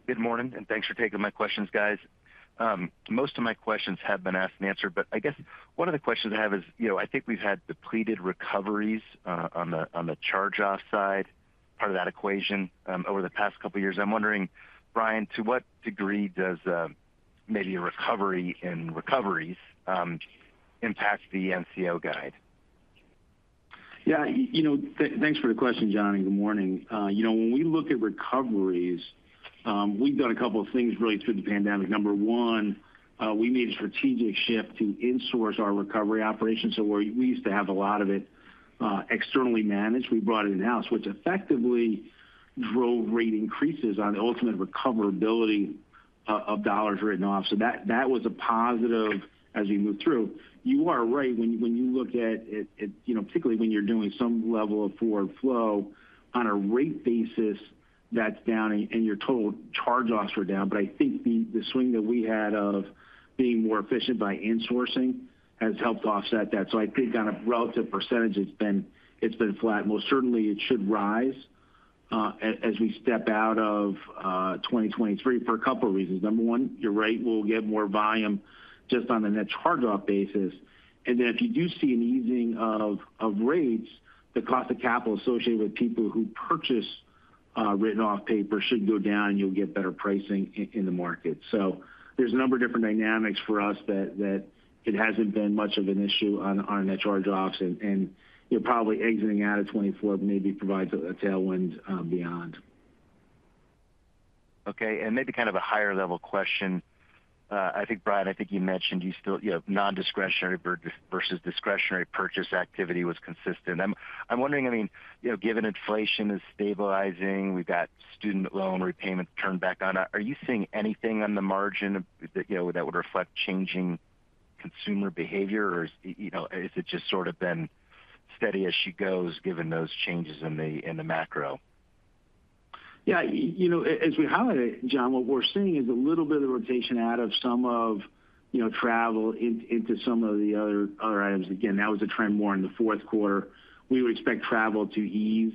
Good morning, and thanks for taking my questions, guys. Most of my questions have been asked and answered, but I guess one of the questions I have is, you know, I think we've had depleted recoveries on the charge-off side, part of that equation over the past couple of years. I'm wondering, Brian, to what degree does maybe a recovery in recoveries impact the NCO guide? Yeah, you know, thanks for the question, John, and good morning. You know, when we look at recoveries, we've done a couple of things really through the pandemic. Number one, we made a strategic shift to insource our recovery operations. So where we used to have a lot of it externally managed, we brought it in-house, which effectively drove rate increases on the ultimate recoverability of dollars written off. So that was a positive as we moved through. You are right, when you look at it, you know, particularly when you're doing some level of forward flow on a rate basis, that's down and your total charge-offs are down. But I think the swing that we had of being more efficient by insourcing has helped offset that. So I think on a relative percentage, it's been flat. Most certainly, it should rise as we step out of 2023 for a couple of reasons. Number one, you're right, we'll get more volume just on a net charge-off basis. And then if you do see an easing of rates, the cost of capital associated with people who purchase written off paper should go down, and you'll get better pricing in the market. So there's a number of different dynamics for us that it hasn't been much of an issue on net charge-offs, and you're probably exiting out of 2024, maybe provides a tailwind beyond. Okay, and maybe kind of a higher level question. I think, Brian, I think you mentioned you still, you know, nondiscretionary versus discretionary purchase activity was consistent. I'm wondering, I mean, you know, given inflation is stabilizing, we've got student loan repayments turned back on, are you seeing anything on the margin that, you know, that would reflect changing consumer behavior? Or, you know, has it just sort of been steady as she goes, given those changes in the macro? Yeah, you know, as we highlighted, John, what we're seeing is a little bit of rotation out of some of, you know, travel into some of the other items. Again, that was a trend more in the fourth quarter. We would expect travel to ease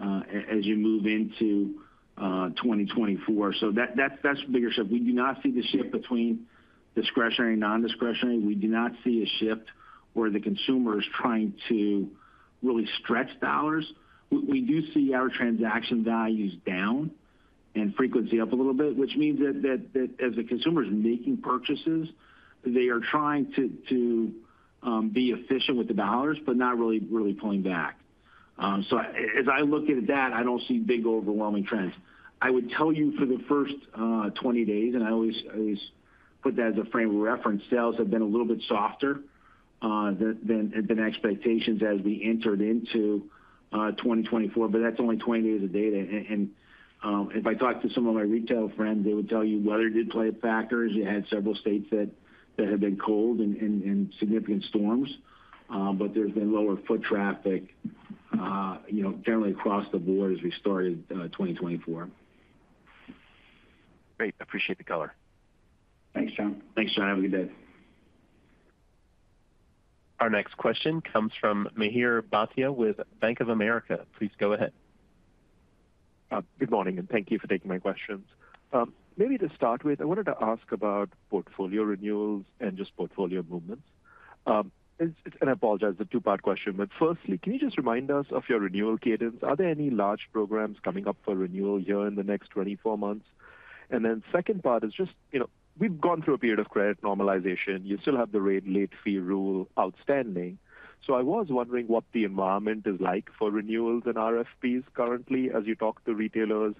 as you move into 2024. So that, that's a bigger shift. We do not see the shift between discretionary and nondiscretionary. We do not see a shift where the consumer is trying to really stretch dollars. We do see our transaction values down and frequency up a little bit, which means that as the consumer is making purchases, they are trying to be efficient with the dollars, but not really pulling back. So as I look at that, I don't see big, overwhelming trends. I would tell you for the first 20 days, and I always, I always put that as a frame of reference, sales have been a little bit softer than expectations as we entered into 2024, but that's only 20 days of data. And if I talked to some of my retail friends, they would tell you weather did play a factor, as you had several states that have been cold and significant storms, but there's been lower foot traffic. You know, generally across the board as we started 2024. Great. Appreciate the color. Thanks, John. Thanks, John. Have a good day. Our next question comes from Mihir Bhatia with Bank of America. Please go ahead. Good morning, and thank you for taking my questions. Maybe to start with, I wanted to ask about portfolio renewals and just portfolio movements. And I apologize, it's a two-part question, but firstly, can you just remind us of your renewal cadence? Are there any large programs coming up for renewal here in the next 24 months? And then second part is just, you know, we've gone through a period of credit normalization. You still have the rate late fee rule outstanding. So I was wondering what the environment is like for renewals and RFPs currently, as you talk to retailers.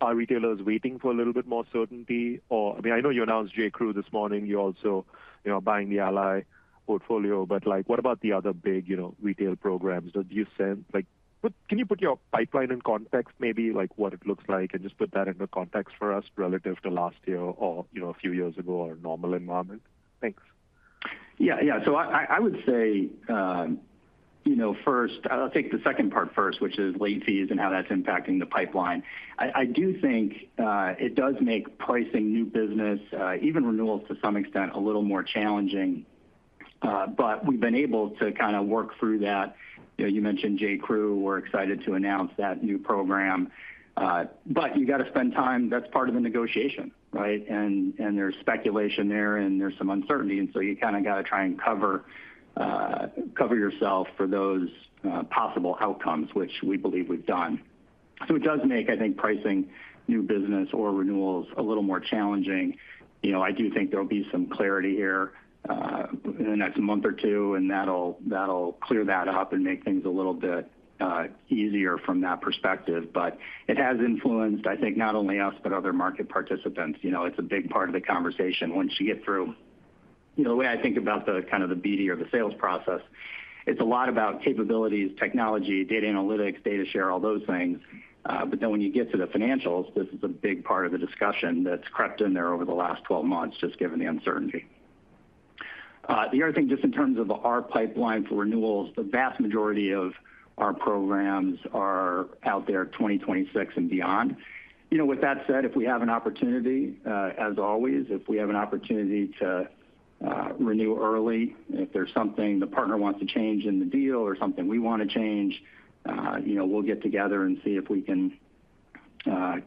Are retailers waiting for a little bit more certainty or... I mean, I know you announced J.Crew this morning. You're also, you know, buying the Ally portfolio, but, like, what about the other big, you know, retail programs? Do you sense, like, but can you put your pipeline in context, maybe like what it looks like, and just put that into context for us relative to last year or, you know, a few years ago or normal environment? Thanks. Yeah, yeah. So I would say, you know, first- I'll take the second part first, which is late fees and how that's impacting the pipeline. I do think it does make pricing new business, even renewals to some extent, a little more challenging. But we've been able to kind of work through that. You know, you mentioned J.Crew. We're excited to announce that new program, but you got to spend time. That's part of the negotiation, right? And there's speculation there, and there's some uncertainty, and so you kind of got to try and cover yourself for those possible outcomes, which we believe we've done. So it does make, I think, pricing new business or renewals a little more challenging. You know, I do think there'll be some clarity here in the next month or two, and that'll, that'll clear that up and make things a little bit easier from that perspective. But it has influenced, I think, not only us, but other market participants. You know, it's a big part of the conversation. Once you get through... You know, the way I think about the kind of the BD or the sales process, it's a lot about capabilities, technology, data analytics, data share, all those things. But then when you get to the financials, this is a big part of the discussion that's crept in there over the last 12 months, just given the uncertainty. The other thing, just in terms of our pipeline for renewals, the vast majority of our programs are out there 2026 and beyond. You know, with that said, if we have an opportunity, as always, if we have an opportunity to renew early, if there's something the partner wants to change in the deal or something we want to change, you know, we'll get together and see if we can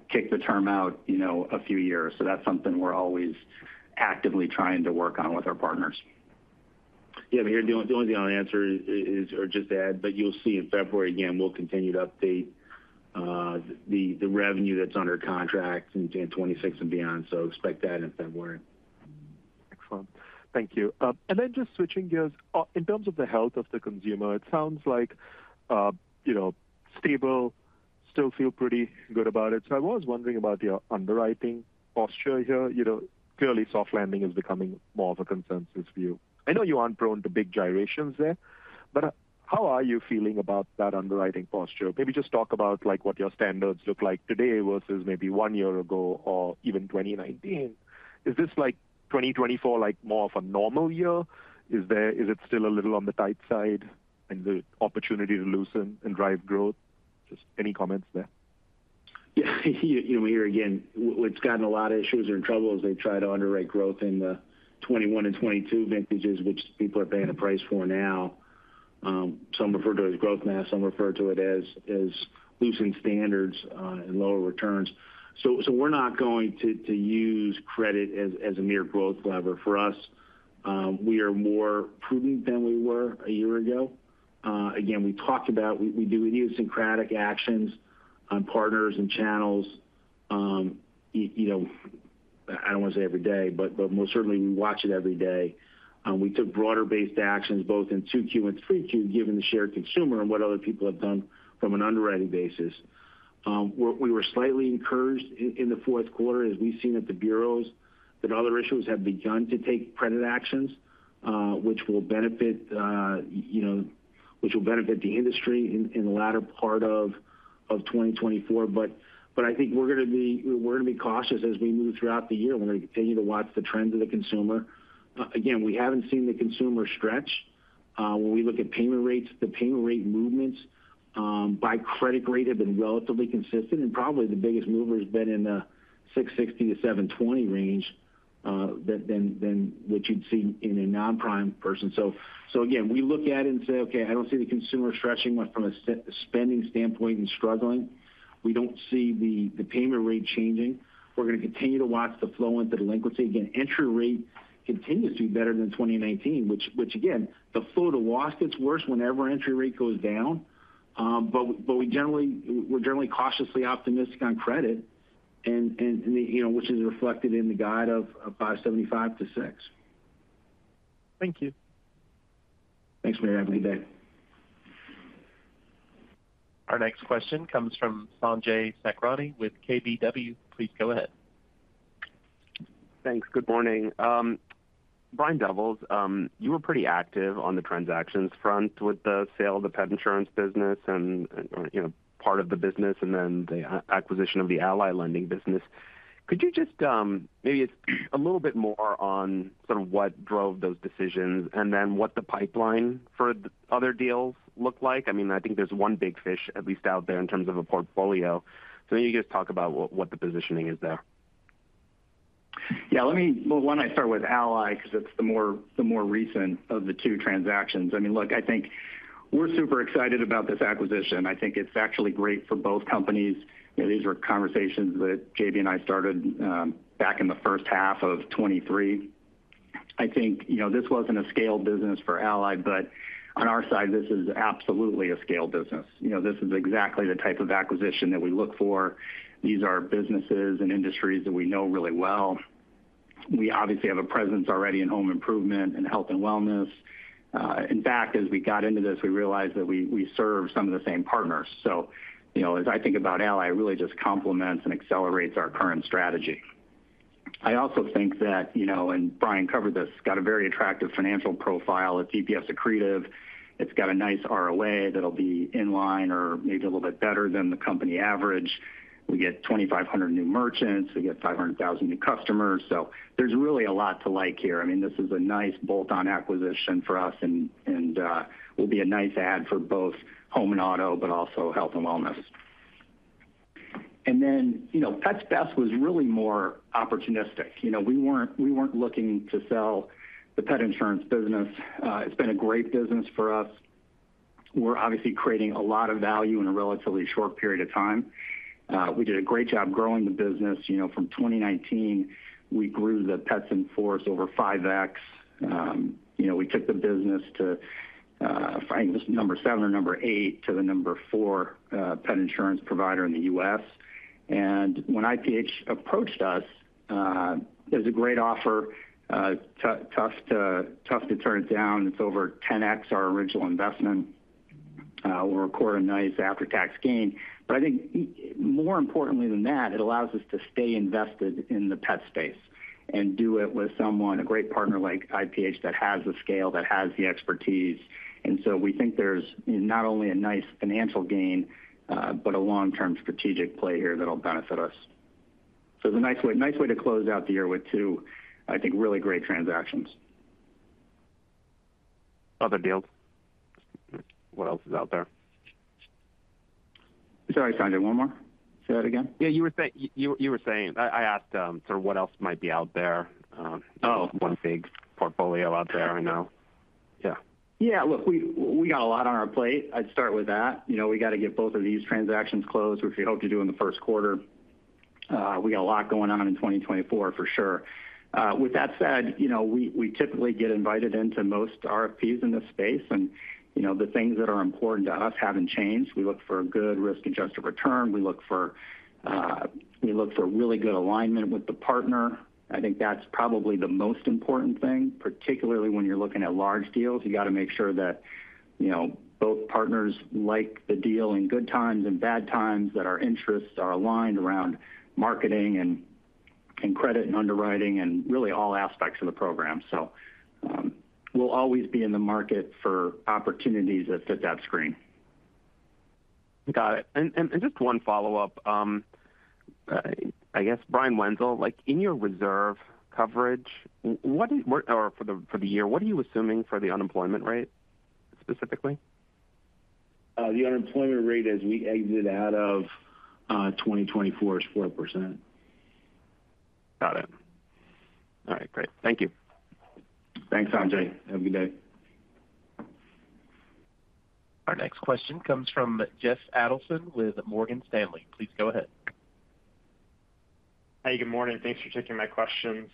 kick the term out, you know, a few years. So that's something we're always actively trying to work on with our partners. Yeah, Mihir, the only other answer is or just add, but you'll see in February. Again, we'll continue to update the revenue that's under contract in 2026 and beyond. So expect that in February. Excellent. Thank you. And then just switching gears, in terms of the health of the consumer, it sounds like, you know, stable, still feel pretty good about it. So I was wondering about your underwriting posture here. You know, clearly, soft landing is becoming more of a consensus view. I know you aren't prone to big gyrations there, but how are you feeling about that underwriting posture? Maybe just talk about, like, what your standards look like today versus maybe one year ago or even 2019. Is this like 2024, like, more of a normal year? Is it still a little on the tight side and the opportunity to loosen and drive growth? Just any comments there. Yeah, you know, Mihir again, what's gotten a lot of issues or in trouble is they try to underwrite growth in the 21 and 22 vintages, which people are paying a price for now. Some refer to it as growth math, some refer to it as loosening standards and lower returns. So we're not going to use credit as a mere growth lever. For us, we are more prudent than we were a year ago. Again, we talked about we do idiosyncratic actions on partners and channels. You know, I don't want to say every day, but most certainly we watch it every day. We took broader-based actions both in 2Q and 3Q, given the shared consumer and what other people have done from an underwriting basis. We were slightly encouraged in the fourth quarter, as we've seen at the bureaus, that other issuers have begun to take credit actions, which will benefit, you know, the industry in the latter part of 2024. But I think we're going to be cautious as we move throughout the year. We're going to continue to watch the trends of the consumer. Again, we haven't seen the consumer stretch. When we look at payment rates, the payment rate movements by credit rate have been relatively consistent, and probably the biggest mover has been in the 660-720 range than what you'd see in a non-prime person. So again, we look at it and say, "Okay, I don't see the consumer stretching much from a spending standpoint and struggling." We don't see the payment rate changing. We're going to continue to watch the flow into delinquency. Again, entry rate continues to be better than 2019, which again, the flow to loss gets worse whenever entry rate goes down. But we're generally cautiously optimistic on credit and, you know, which is reflected in the guide of 5.75-6. Thank you. Thanks, Mihir. Have a good day. Our next question comes from Sanjay Sakhrani with KBW. Please go ahead. Thanks. Good morning. Brian Doubles, you were pretty active on the transactions front with the sale of the pet insurance business and, you know, part of the business, and then the acquisition of the Ally Lending business. Could you just, maybe a little bit more on sort of what drove those decisions and then what the pipeline for the other deals look like? I mean, I think there's one big fish at least out there in terms of a portfolio. So maybe you just talk about what, what the positioning is there. Yeah, let me. Well, why don't I start with Ally? Because it's the more recent of the two transactions. I mean, look, I think we're super excited about this acquisition. I think it's actually great for both companies. These are conversations that JB and I started back in the first half of 2023. I think, you know, this wasn't a scaled business for Ally, but on our side, this is absolutely a scaled business. You know, this is exactly the type of acquisition that we look for. These are businesses and industries that we know really well. We obviously have a presence already in home improvement and health and wellness. In fact, as we got into this, we realized that we serve some of the same partners. So, you know, as I think about Ally, it really just complements and accelerates our current strategy. I also think that, you know, and Brian covered this, got a very attractive financial profile. It's EPS accretive, it's got a nice ROA that'll be in line or maybe a little bit better than the company average. We get 2,500 new merchants. We get 500,000 new customers. So there's really a lot to like here. I mean, this is a nice bolt-on acquisition for us and will be a nice add for both home and auto, but also health and wellness. And then, you know, Pets Best was really more opportunistic. You know, we weren't looking to sell the pet insurance business. It's been a great business for us. We're obviously creating a lot of value in a relatively short period of time. We did a great job growing the business. You know, from 2019, we grew the pets in force over 5x. You know, we took the business to, I think it was number 7 or number 8, to the number 4, pet insurance provider in the U.S. And when IPH approached us, it was a great offer. Tough to turn it down. It's over 10x our original investment. We'll record a nice after-tax gain, but I think more importantly than that, it allows us to stay invested in the pet space and do it with someone, a great partner like IPH, that has the scale, that has the expertise. And so we think there's not only a nice financial gain, but a long-term strategic play here that'll benefit us. It's a nice way, nice way to close out the year with two, I think, really great transactions. Other deals? What else is out there? Sorry, Sanjay, one more. Say that again. Yeah, you were saying... I asked sort of what else might be out there- Oh! One big portfolio out there, I know. Yeah. Yeah, look, we got a lot on our plate. I'd start with that. You know, we got to get both of these transactions closed, which we hope to do in the first quarter. We got a lot going on in 2024, for sure. With that said, you know, we typically get invited into most RFPs in this space, and, you know, the things that are important to us haven't changed. We look for a good risk-adjusted return. We look for really good alignment with the partner. I think that's probably the most important thing, particularly when you're looking at large deals. You got to make sure that, you know, both partners like the deal in good times and bad times, that our interests are aligned around marketing and credit and underwriting and really all aspects of the program. So, we'll always be in the market for opportunities that fit that screen. Got it. And just one follow-up. I guess, Brian Wenzel, like, in your reserve coverage, what, or for the year, what are you assuming for the unemployment rate, specifically? The unemployment rate as we exit out of 2024 is 4%. Got it. All right, great. Thank you. Thanks, Sanjay. Have a good day. Our next question comes from Jeff Adelson with Morgan Stanley. Please go ahead. Hey, good morning. Thanks for taking my questions.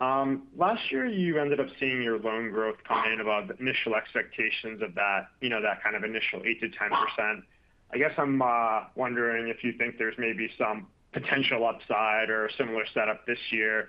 Last year, you ended up seeing your loan growth come in above the initial expectations of that, you know, that kind of initial 8%-10%. I guess I'm wondering if you think there's maybe some potential upside or a similar setup this year.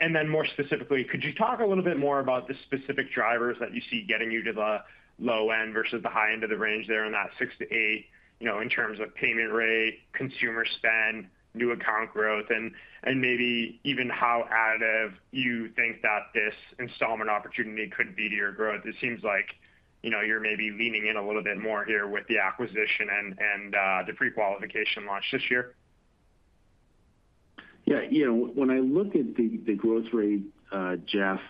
And then more specifically, could you talk a little bit more about the specific drivers that you see getting you to the low end versus the high end of the range there on that 6%-8%, you know, in terms of payment rate, consumer spend, new account growth, and maybe even how additive you think that this installment opportunity could be to your growth? It seems like, you know, you're maybe leaning in a little bit more here with the acquisition and the prequalification launch this year. Yeah, you know, when I look at the growth rate, Jeff,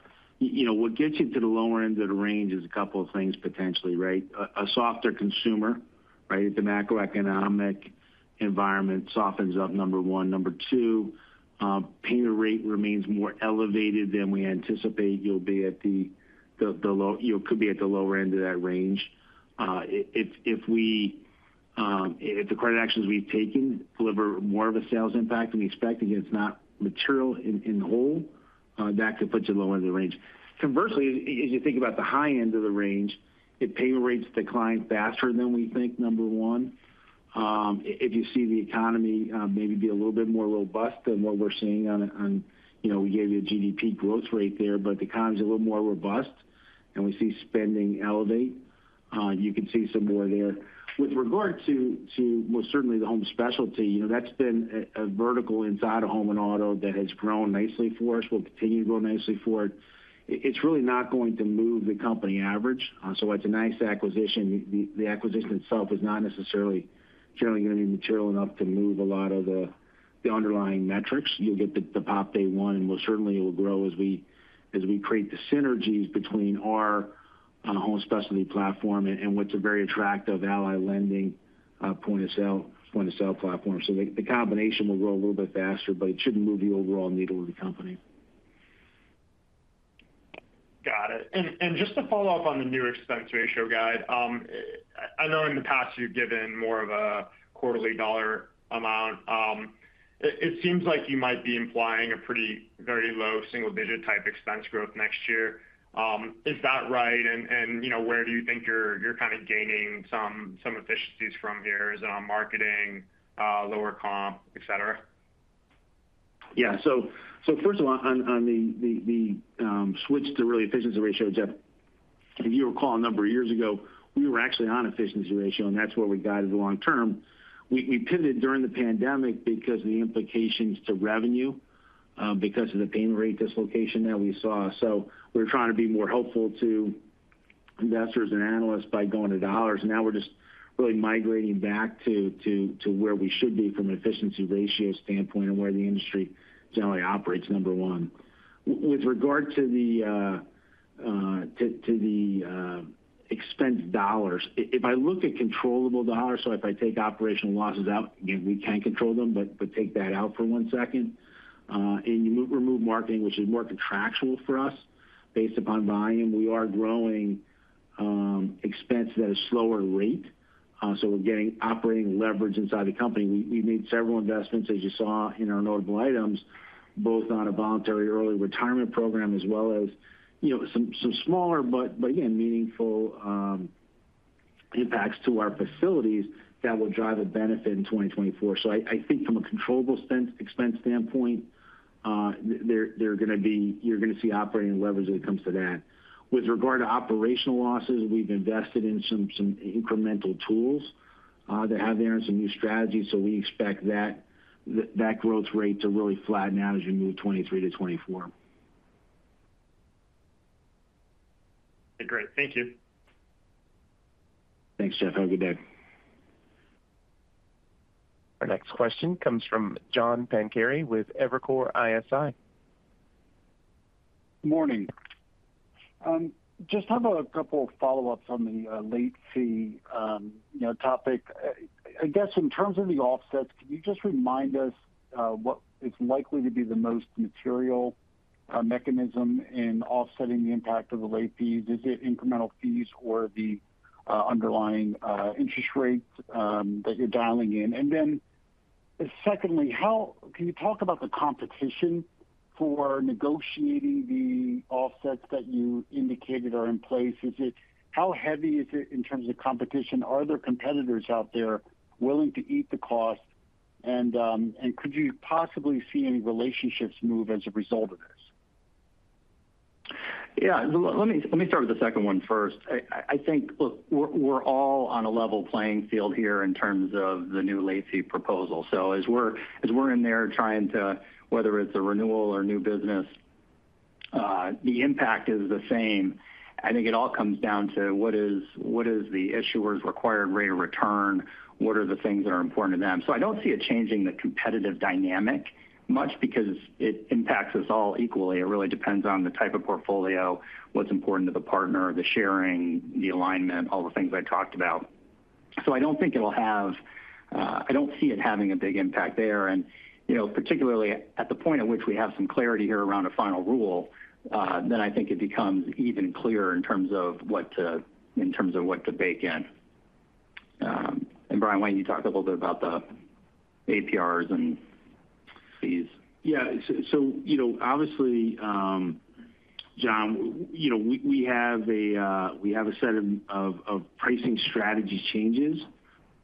you know, what gets you to the lower end of the range is a couple of things, potentially, right? A softer consumer, right? If the macroeconomic environment softens up, number one. Number two, payment rate remains more elevated than we anticipate. You'll be at the low—you could be at the lower end of that range. If the credit actions we've taken deliver more of a sales impact than we expect, again, it's not material in whole, that could put you at the low end of the range. Conversely, as you think about the high end of the range, if payment rates decline faster than we think, number one, if you see the economy, maybe be a little bit more robust than what we're seeing on, you know, we gave you a GDP growth rate there, but the economy is a little more robust.... and we see spending elevate. You can see some more there. With regard to, well, certainly the home specialty, you know, that's been a vertical inside of home and auto that has grown nicely for us, will continue to grow nicely for it. It's really not going to move the company average. So it's a nice acquisition. The acquisition itself is not necessarily generally going to be material enough to move a lot of the underlying metrics. You'll get the pop day one, and most certainly it will grow as we create the synergies between our home specialty platform and what's a very attractive Ally Lending point of sale platform. So the combination will grow a little bit faster, but it shouldn't move the overall needle of the company. Got it. And just to follow up on the new expense ratio guide, I know in the past you've given more of a quarterly dollar amount. It seems like you might be implying a pretty very low single-digit type expense growth next year. Is that right? And you know, where do you think you're kind of gaining some efficiencies from here? Is it on marketing, lower comp, et cetera? Yeah. So first of all, on the switch to the efficiency ratio, Jeff, if you recall, a number of years ago, we were actually on efficiency ratio, and that's where we guided the long term. We pivoted during the pandemic because of the implications to revenue because of the payment rate dislocation that we saw. So we're trying to be more helpful to investors and analysts by going to dollars, and now we're just really migrating back to where we should be from an efficiency ratio standpoint and where the industry generally operates, number one. With regard to the expense dollars, if I look at controllable dollars, so if I take operational losses out, again, we can't control them, but take that out for one second, and you remove marketing, which is more contractual for us based upon volume, we are growing expense at a slower rate. So we're getting operating leverage inside the company. We made several investments, as you saw in our notable items, both on a voluntary early retirement program, as well as, you know, some smaller, but again, meaningful impacts to our facilities that will drive a benefit in 2024. So I think from a controllable expense standpoint, there, you're going to see operating leverage when it comes to that. With regard to operational losses, we've invested in some incremental tools that are there and some new strategies. So we expect that growth rate to really flatten out as you move 2023 to 2024. Great. Thank you. Thanks, Jeff. Have a good day. Our next question comes from John Pancari with Evercore ISI. Morning. Just have a couple follow-ups on the late fee, you know, topic. I guess, in terms of the offsets, can you just remind us what is likely to be the most material mechanism in offsetting the impact of the late fees? Is it incremental fees or the underlying interest rates that you're dialing in? And then secondly, how can you talk about the competition for negotiating the offsets that you indicated are in place? Is it... How heavy is it in terms of competition? Are there competitors out there willing to eat the cost and could you possibly see any relationships move as a result of this? Yeah, let me start with the second one first. I think, look, we're all on a level playing field here in terms of the new late fee proposal. So as we're in there trying to, whether it's a renewal or new business, the impact is the same. I think it all comes down to what is the issuer's required rate of return? What are the things that are important to them? So I don't see it changing the competitive dynamic much because it impacts us all equally. It really depends on the type of portfolio, what's important to the partner, the sharing, the alignment, all the things I talked about. So I don't think it'll have, I don't see it having a big impact there. You know, particularly at the point at which we have some clarity here around a final rule, then I think it becomes even clearer in terms of what to bake in. Brian, why don't you talk a little bit about the APRs and fees? Yeah. So you know, obviously, John, you know, we have a set of pricing strategy changes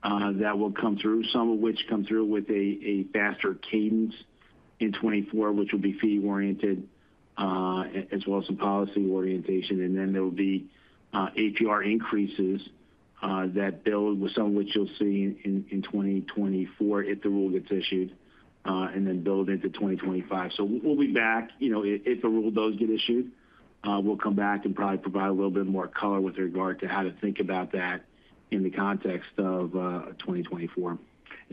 that will come through, some of which come through with a faster cadence in 2024, which will be fee-oriented, as well as some policy orientation. And then there will be APR increases that build with some of which you'll see in 2024 if the rule gets issued, and then build into 2025. So we'll be back. You know, if the rule does get issued, we'll come back and probably provide a little bit more color with regard to how to think about that in the context of 2024.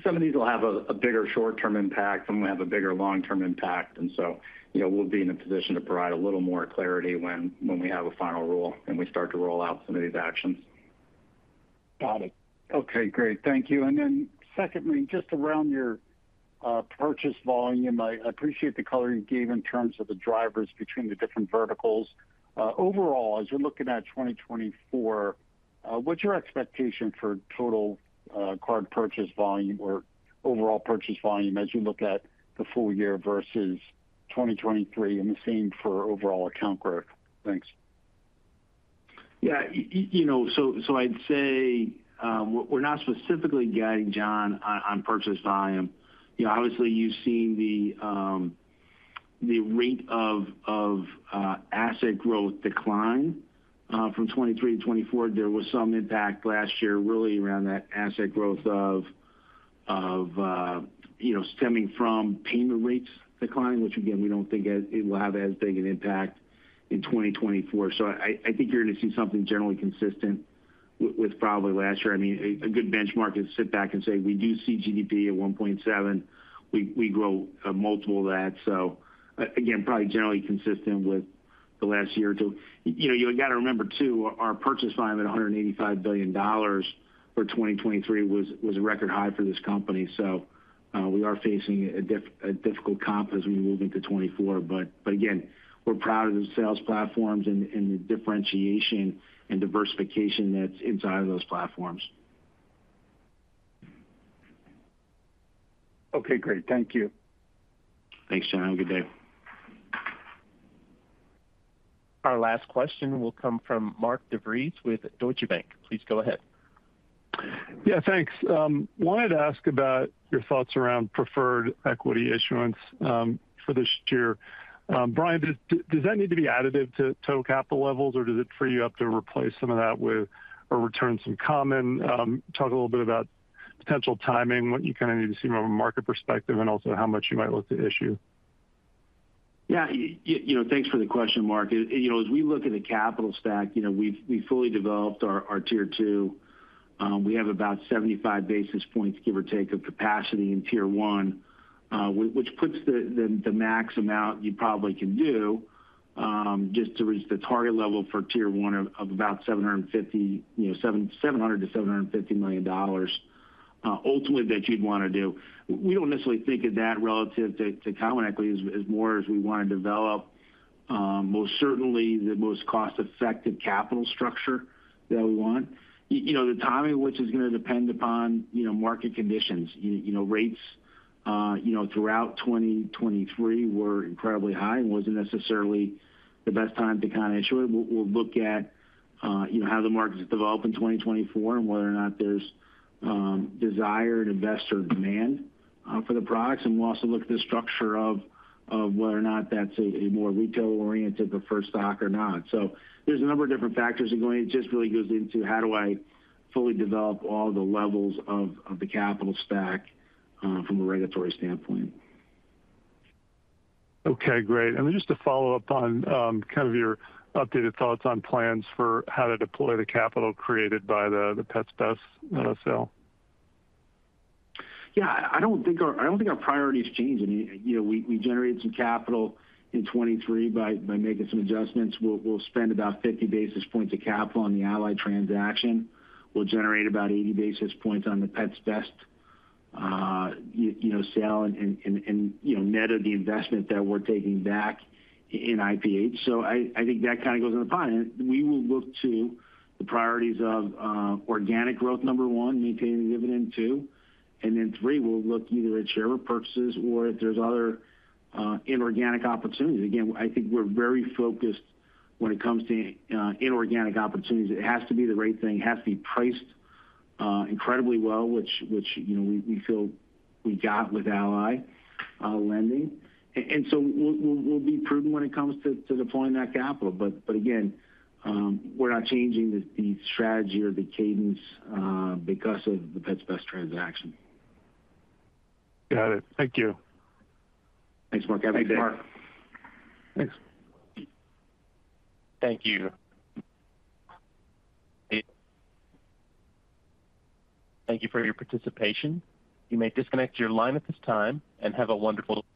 Some of these will have a bigger short-term impact, some will have a bigger long-term impact, and so, you know, we'll be in a position to provide a little more clarity when we have a final rule, and we start to roll out some of these actions. Got it. Okay, great. Thank you. And then secondly, just around your purchase volume, I appreciate the color you gave in terms of the drivers between the different verticals. Overall, as you're looking at 2024, what's your expectation for total card purchase volume or overall purchase volume as you look at the full year versus 2023, and the same for overall account growth? Thanks.... Yeah, you know, so I'd say, we're not specifically guiding John on purchase volume. You know, obviously, you've seen the rate of asset growth decline from 2023 to 2024. There was some impact last year, really around that asset growth stemming from payment rates decline, which again, we don't think it will have as big an impact in 2024. So I think you're going to see something generally consistent with probably last year. I mean, a good benchmark is sit back and say: We do see GDP at 1.7. We grow a multiple of that. So again, probably generally consistent with the last year or two. You know, you got to remember, too, our purchase volume at $185 billion for 2023 was a record high for this company. So, we are facing a difficult comp as we move into 2024. But again, we're proud of the sales platforms and the differentiation and diversification that's inside of those platforms. Okay, great. Thank you. Thanks, John. Have a good day. Our last question will come from Mark De Vries with Deutsche Bank. Please go ahead. Yeah, thanks. Wanted to ask about your thoughts around preferred equity issuance for this year. Brian, does that need to be additive to total capital levels, or does it free you up to replace some of that with or return some common? Talk a little bit about potential timing, what you kind of need to see from a market perspective, and also how much you might look to issue. Yeah, you know, thanks for the question, Mark. You know, as we look at the capital stack, you know, we've fully developed our Tier Two. We have about 75 basis points, give or take, of capacity in Tier One, which puts the max amount you probably can do just to reach the target level for Tier One of about 750, you know, $700 million-$750 million, ultimately, that you'd want to do. We don't necessarily think of that relative to common equity as more as we want to develop most certainly the most cost-effective capital structure that we want. You know, the timing of which is going to depend upon, you know, market conditions. You know, rates, you know, throughout 2023 were incredibly high and wasn't necessarily the best time to kind of issue. We'll look at, you know, how the markets develop in 2024 and whether or not there's desired investor demand for the products. And we'll also look at the structure of whether or not that's a more retail-oriented preferred stock or not. So there's a number of different factors that it just really goes into how do I fully develop all the levels of the capital stack from a regulatory standpoint. Okay, great. And then just to follow up on kind of your updated thoughts on plans for how to deploy the capital created by the Pets Best sale? Yeah, I don't think our priorities change any. You know, we generated some capital in 2023 by making some adjustments. We'll spend about 50 basis points of capital on the Ally transaction. We'll generate about 80 basis points on the Pets Best sale and, you know, net of the investment that we're taking back in IPH. So I think that kind of goes in the pot. And we will look to the priorities of organic growth, number 1, maintaining the dividend, 2, and then 3, we'll look either at share repurchases or if there's other inorganic opportunities. Again, I think we're very focused when it comes to inorganic opportunities. It has to be the right thing. It has to be priced incredibly well, which you know we feel we got with Ally Lending. And so we'll be prudent when it comes to deploying that capital. But again, we're not changing the strategy or the cadence because of the Pets Best transaction. Got it. Thank you. Thanks, Mark. Have a good day. Thanks, Mark. Thanks. Thank you. Thank you for your participation. You may disconnect your line at this time, and have a wonderful day.